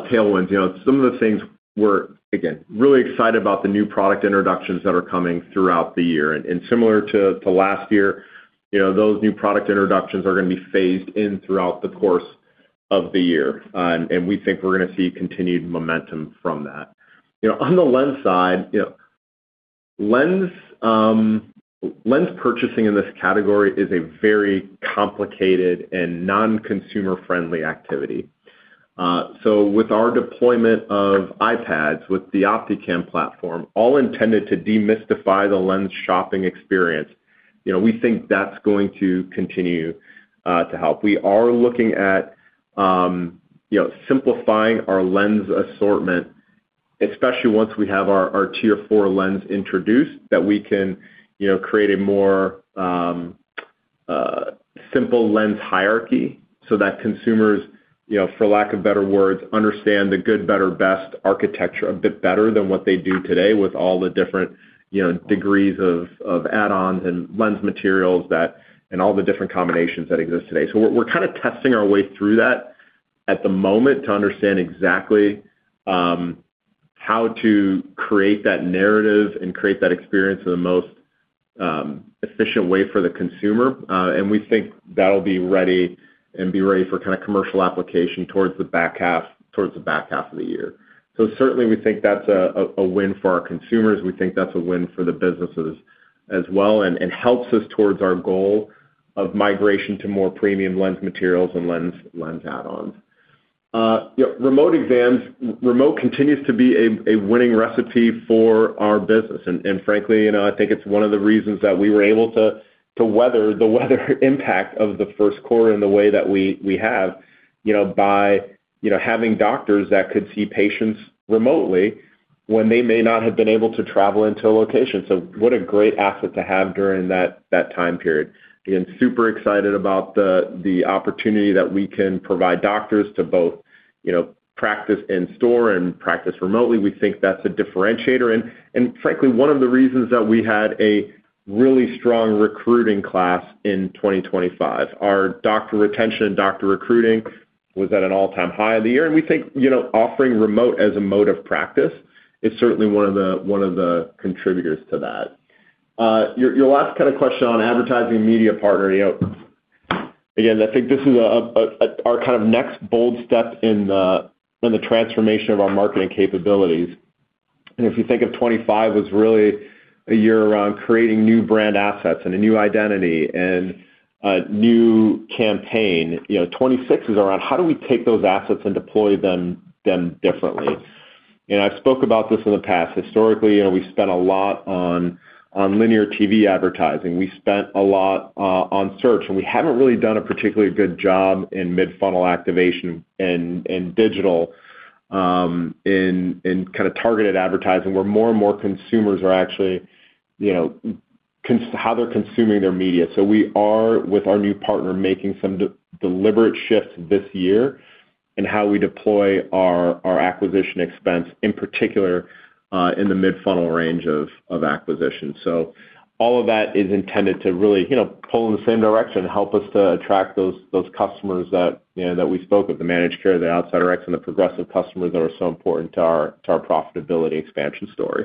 tailwinds, you know, some of the things we're, again, really excited about the new product introductions that are coming throughout the year. Similar to last year, you know, those new product introductions are going to be phased in throughout the course of the year. We think we're going to see continued momentum from that. You know, on the lens side, you know, lens purchasing in this category is a very complicated and non-consumer friendly activity. With our deployment of iPads, with the Optikam platform, all intended to demystify the lens shopping experience, you know, we think that's going to continue to help. We are looking at, you know, simplifying our lens assortment, especially once we have our tier four lens introduced, that we can, you know, create a more simple lens hierarchy so that consumers, you know, for lack of better words, understand the good better best architecture a bit better than what they do today with all the different, you know, degrees of add-ons and lens materials that and all the different combinations that exist today. We're, we're kind of testing our way through that at the moment to understand exactly how to create that narrative and create that experience in the most efficient way for the consumer. We think that'll be ready and be ready for kind of commercial application towards the back half, towards the back half of the year. Certainly we think that's a win for our consumers. We think that's a win for the businesses as well, and helps us towards our goal of migration to more premium lens materials and lens add-ons. You know, remote exams. Remote continues to be a winning recipe for our business. Frankly, you know, I think it's one of the reasons that we were able to weather the weather impact of the first quarter in the way that we have, you know, by, you know, having doctors that could see patients remotely when they may not have been able to travel into a location. What a great asset to have during that time period. Again, super excited about the opportunity that we can provide doctors to both, you know, practice in store and practice remotely. We think that's a differentiator and frankly, one of the reasons that we had a really strong recruiting class in 2025. Our doctor retention and doctor recruiting was at an all-time high of the year. We think, you know, offering remote as a mode of practice is certainly one of the contributors to that. Your last kind of question on advertising media partner. You know, again, I think this is our kind of next bold step in the transformation of our marketing capabilities. If you think of 25 as really a year around creating new brand assets and a new identity and a new campaign, you know, 26 is around how do we take those assets and deploy them differently. You know, I've spoke about this in the past. Historically, you know, we spent a lot on linear TV advertising. We spent a lot on search, and we haven't really done a particularly good job in mid-funnel activation and digital, in kind of targeted advertising, where more and more consumers are actually, you know, how they're consuming their media. We are, with our new partner, making some deliberate shifts this year in how we deploy our acquisition expense, in particular, in the mid-funnel range of acquisition. All of that is intended to really, you know, pull in the same direction and help us to attract those customers that, you know, that we spoke with, the managed care, the outside RX, and the progressive customers that are so important to our profitability expansion story.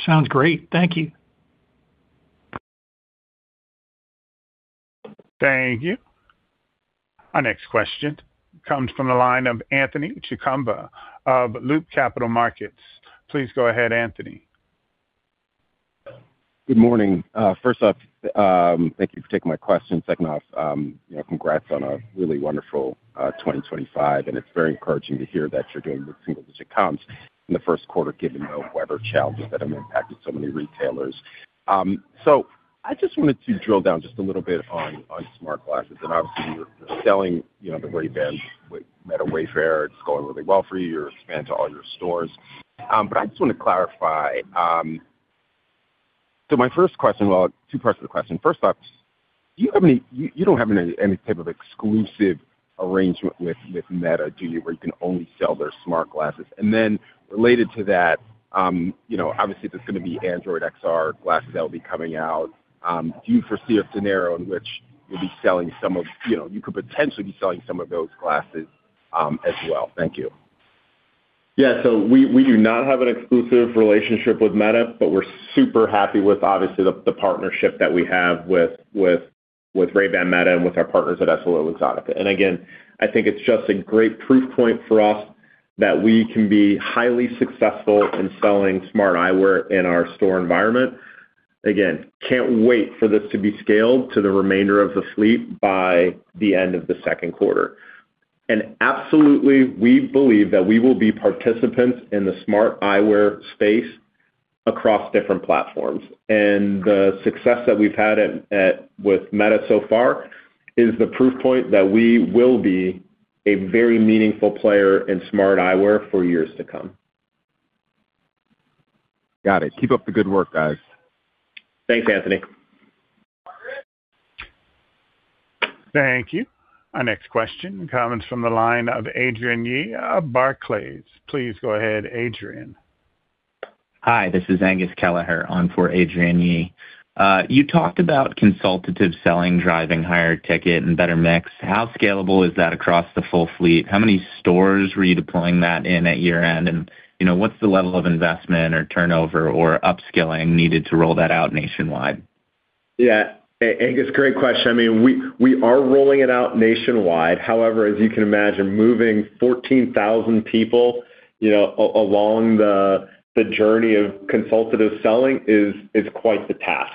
Sounds great. Thank you. Thank you. Our next question comes from the line of Anthony Chukumba of Loop Capital Markets. Please go ahead, Anthony. Good morning. First off, thank you for taking my question. Second off, you know, congrats on a really wonderful 2025, and it's very encouraging to hear that you're doing with single-digit comps in the first quarter, given the weather challenges that have impacted so many retailers. I just wanted to drill down just a little bit on smart glasses. Obviously you're selling, you know, the Ray-Ban Meta Wayfarer. It's going really well for you. You're expanding to all your stores. I just wanna clarify. Two parts of the question. First off, you don't have any type of exclusive arrangement with Meta, do you, where you can only sell their smart glasses? Related to that, you know, obviously, there's gonna be Android XR glasses that'll be coming out. Do you foresee a scenario in which you'll be selling some of those glasses, as well? Thank you. We do not have an exclusive relationship with Meta, but we're super happy with obviously the partnership that we have with Ray-Ban Meta and with our partners at EssilorLuxottica. Again, I think it's just a great proof point for us that we can be highly successful in selling smart eyewear in our store environment. Again, can't wait for this to be scaled to the remainder of the fleet by the end of the second quarter. Absolutely, we believe that we will be participants in the smart eyewear space across different platforms. The success that we've had at Meta so far is the proof point that we will be a very meaningful player in smart eyewear for years to come. Got it. Keep up the good work, guys. Thanks, Anthony. Thank you. Our next question and comment's from the line of Adrian Yee of Barclays. Please go ahead, Adrian. Hi, this is Angus Kelleher-Ferguson on for Adrian Yee. You talked about consultative selling, driving higher ticket and better mix. How scalable is that across the full fleet? How many stores were you deploying that in at year-end? You know, what's the level of investment or turnover or upskilling needed to roll that out nationwide? Yeah. Angus, great question. I mean, we are rolling it out nationwide. However, as you can imagine, moving 14,000 people, you know, along the journey of consultative selling is quite the task.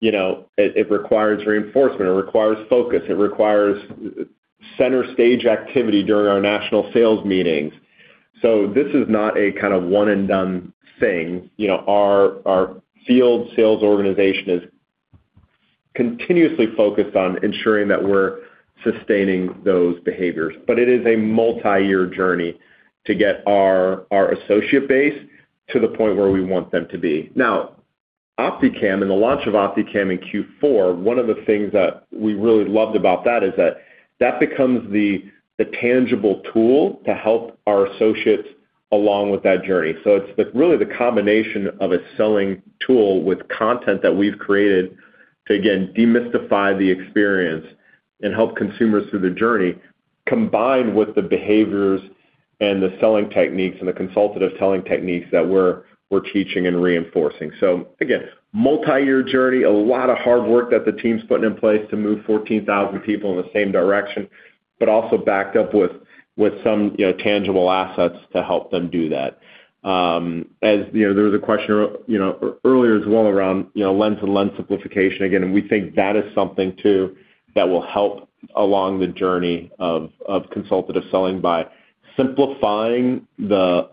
You know, it requires reinforcement, it requires focus, it requires center stage activity during our national sales meetings. This is not a kind of one and done thing. You know, our field sales organization is continuously focused on ensuring that we're sustaining those behaviors. It is a multi-year journey to get our associate base to the point where we want them to be. Now, Optikam, in the launch of Optikam in Q4, one of the things that we really loved about that is that becomes the tangible tool to help our associates along with that journey. It's the really the combination of a selling tool with content that we've created to again, demystify the experience and help consumers through the journey, combined with the behaviors and the selling techniques and the consultative selling techniques that we're teaching and reinforcing. Again, multi-year journey, a lot of hard work that the team's putting in place to move 14,000 people in the same direction, but also backed up with some, you know, tangible assets to help them do that. As, you know, there was a question, you know, earlier as well around, you know, lens and lens simplification again, and we think that is something too that will help along the journey of consultative selling. By simplifying the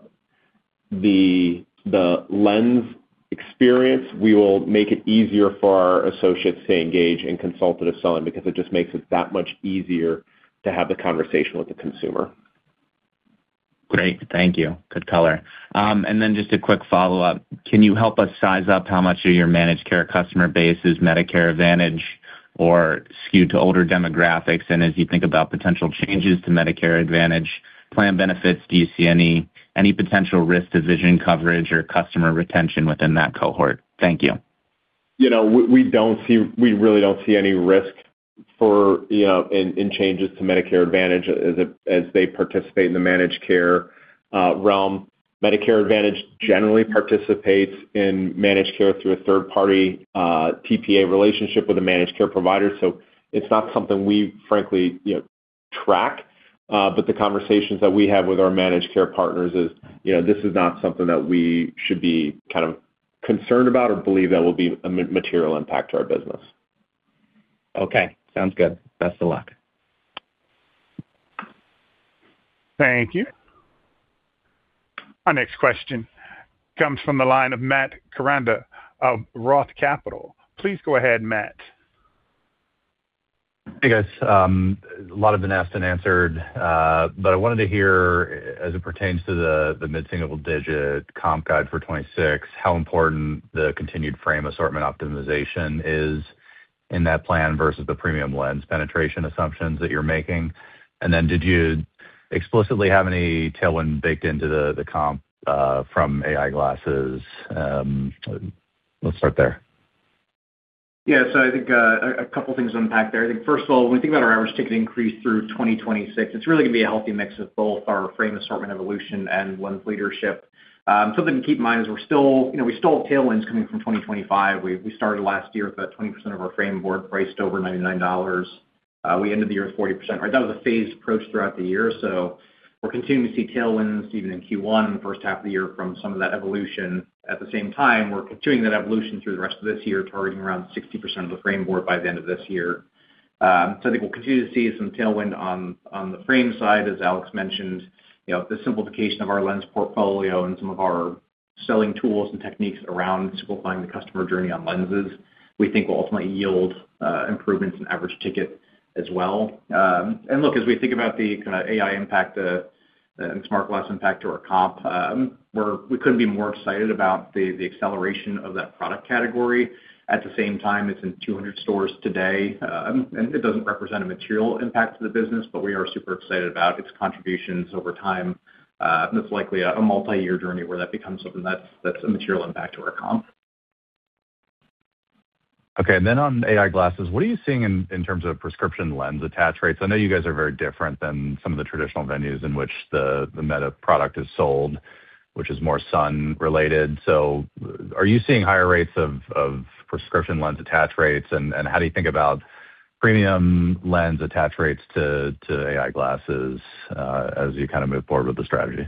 lens experience, we will make it easier for our associates to engage in consultative selling because it just makes it that much easier to have the conversation with the consumer. Great. Thank you. Good color. Just a quick follow-up. Can you help us size up how much of your managed care customer base is Medicare Advantage or skewed to older demographics? As you think about potential changes to Medicare Advantage plan benefits, do you see any potential risk to vision coverage or customer retention within that cohort? Thank you. You know, we really don't see any risk for, you know, in changes to Medicare Advantage as they participate in the managed care realm. Medicare Advantage generally participates in managed care through a third party TPA relationship with a managed care provider. It's not something we frankly, you know, track. The conversations that we have with our managed care partners is, you know, this is not something that we should be kind of concerned about or believe that will be a material impact to our business. Okay. Sounds good. Best of luck. Thank you. Our next question comes from the line of Matt Koranda of ROTH Capital. Please go ahead, Matt. Hey, guys. A lot have been asked and answered, but I wanted to hear as it pertains to the mid-single digit comp guide for 2026, how important the continued frame assortment optimization is in that plan versus the premium lens penetration assumptions that you're making. Did you explicitly have any tailwind baked into the comp from AI glasses? Let's start there. I think a couple things to unpack there. I think first of all, when we think about our average ticket increase through 2026, it's really gonna be a healthy mix of both our frame assortment evolution and lens leadership. Something to keep in mind is, you know, we still have tailwinds coming from 2025. We started last year with about 20% of our frame board priced over $99. We ended the year at 40%. Right? That was a phased approach throughout the year. We're continuing to see tailwinds even in Q1 in the first half of the year from some of that evolution. At the same time, we're continuing that evolution through the rest of this year, targeting around 60% of the frame board by the end of this year. I think we'll continue to see some tailwind on the frame side, as Alex Wilkes mentioned. You know, the simplification of our lens portfolio and some of our selling tools and techniques around simplifying the customer journey on lenses, we think will ultimately yield improvements in average ticket as well. Look, as we think about the kind of AI impact and smartglasses impact to our comp, we couldn't be more excited about the acceleration of that product category. At the same time, it's in 200 stores today, it doesn't represent a material impact to the business, but we are super excited about its contributions over time. It's likely a multi-year journey where that becomes something that's a material impact to our comp. Okay. On AI glasses, what are you seeing in terms of prescription lens attach rates? I know you guys are very different than some of the traditional venues in which the Meta product is sold, which is more sun related. Are you seeing higher rates of prescription lens attach rates? How do you think about premium lens attach rates to AI glasses as you kinda move forward with the strategy?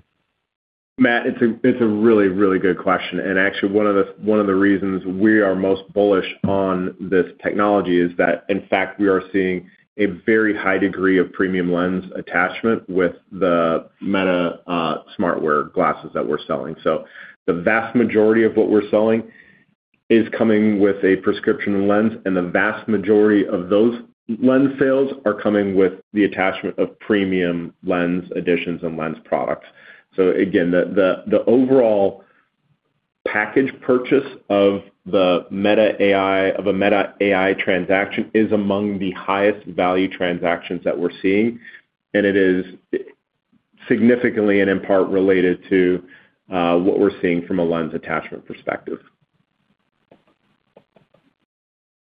Matt, it's a really, really good question. Actually one of the reasons we are most bullish on this technology is that in fact we are seeing a very high degree of premium lens attachment with the Meta smart wear glasses that we're selling. The vast majority of what we're selling is coming with a prescription lens, and the vast majority of those lens sales are coming with the attachment of premium lens additions and lens products. Again, the overall package purchase of the Meta AI, of a Meta AI transaction is among the highest value transactions that we're seeing, and it is significantly and in part related to what we're seeing from a lens attachment perspective.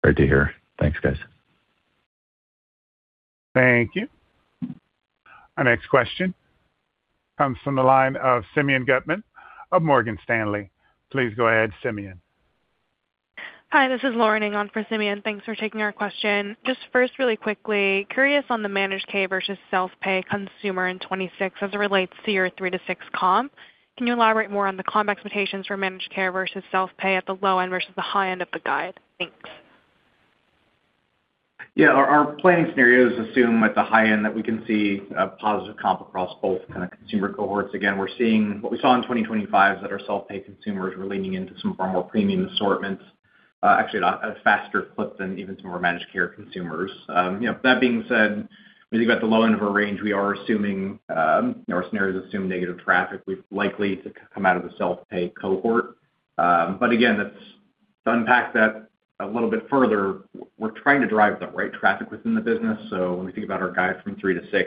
Great to hear. Thanks, guys. Thank you. Our next question comes from the line of Simeon Gutman of Morgan Stanley. Please go ahead, Simeon. Hi, this is Lauren Ng on for Simeon. Thanks for taking our question. Just first, really quickly, curious on the managed care versus self-pay consumer in 2026 as it relates to your 3%-6% comp. Can you elaborate more on the comp expectations for managed care versus self-pay at the low end versus the high end of the guide? Thanks. Yeah, our planning scenarios assume at the high end that we can see a positive comp across both kinda consumer cohorts. We're seeing what we saw in 2025 is that our self-pay consumers were leaning into some of our more premium assortments, actually at a faster clip than even some of our managed care consumers. You know, that being said, when you think about the low end of our range, we are assuming, you know, our scenarios assume negative traffic. We've likely to come out of the self-pay cohort. Again, to unpack that a little bit further, we're trying to drive the right traffic within the business. When we think about our guide from 3-6,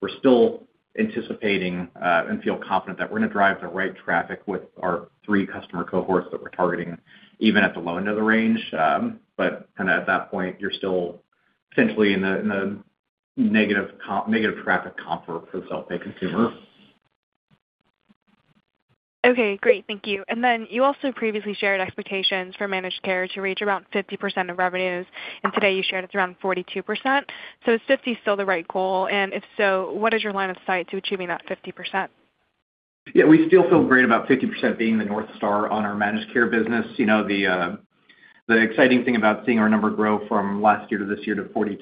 we're still anticipating and feel confident that we're gonna drive the right traffic with our three customer cohorts that we're targeting even at the low end of the range. But kinda at that point, you're still potentially in the negative comp, negative traffic comp for the self-pay consumer. Okay, great. Thank you. Then you also previously shared expectations for managed care to reach around 50% of revenues, and today you shared it's around 42%. Is 50 still the right goal? If so, what is your line of sight to achieving that 50%? Yeah, we still feel great about 50% being the North Star on our managed care business. You know, the exciting thing about seeing our number grow from last year to this year to 40%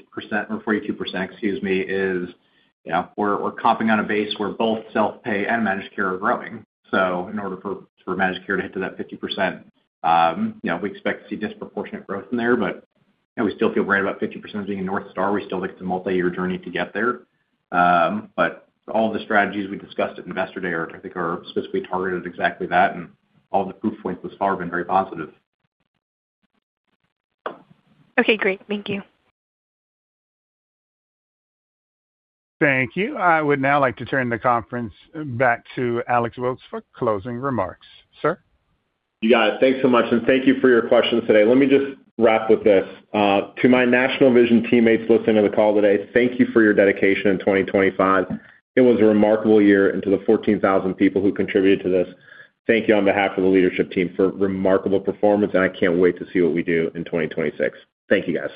or 42%, excuse me, is, you know, we're comping on a base where both self-pay and managed care are growing. In order for managed care to hit to that 50%, you know, we expect to see disproportionate growth from there. You know, we still feel great about 50% being a North Star. We still think it's a multi-year journey to get there. All the strategies we discussed at Investor Day are, I think are specifically targeted at exactly that, and all the proof points thus far have been very positive. Okay, great. Thank you. Thank you. I would now like to turn the conference back to Alex Wilkes for closing remarks. Sir? You got it. Thanks so much, and thank you for your questions today. Let me just wrap with this. To my National Vision teammates listening to the call today, thank you for your dedication in 2025. It was a remarkable year. To the 14,000 people who contributed to this, thank you on behalf of the leadership team for remarkable performance, and I can't wait to see what we do in 2026. Thank you guys.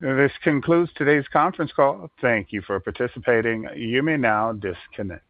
This concludes today's conference call. Thank you for participating. You may now disconnect.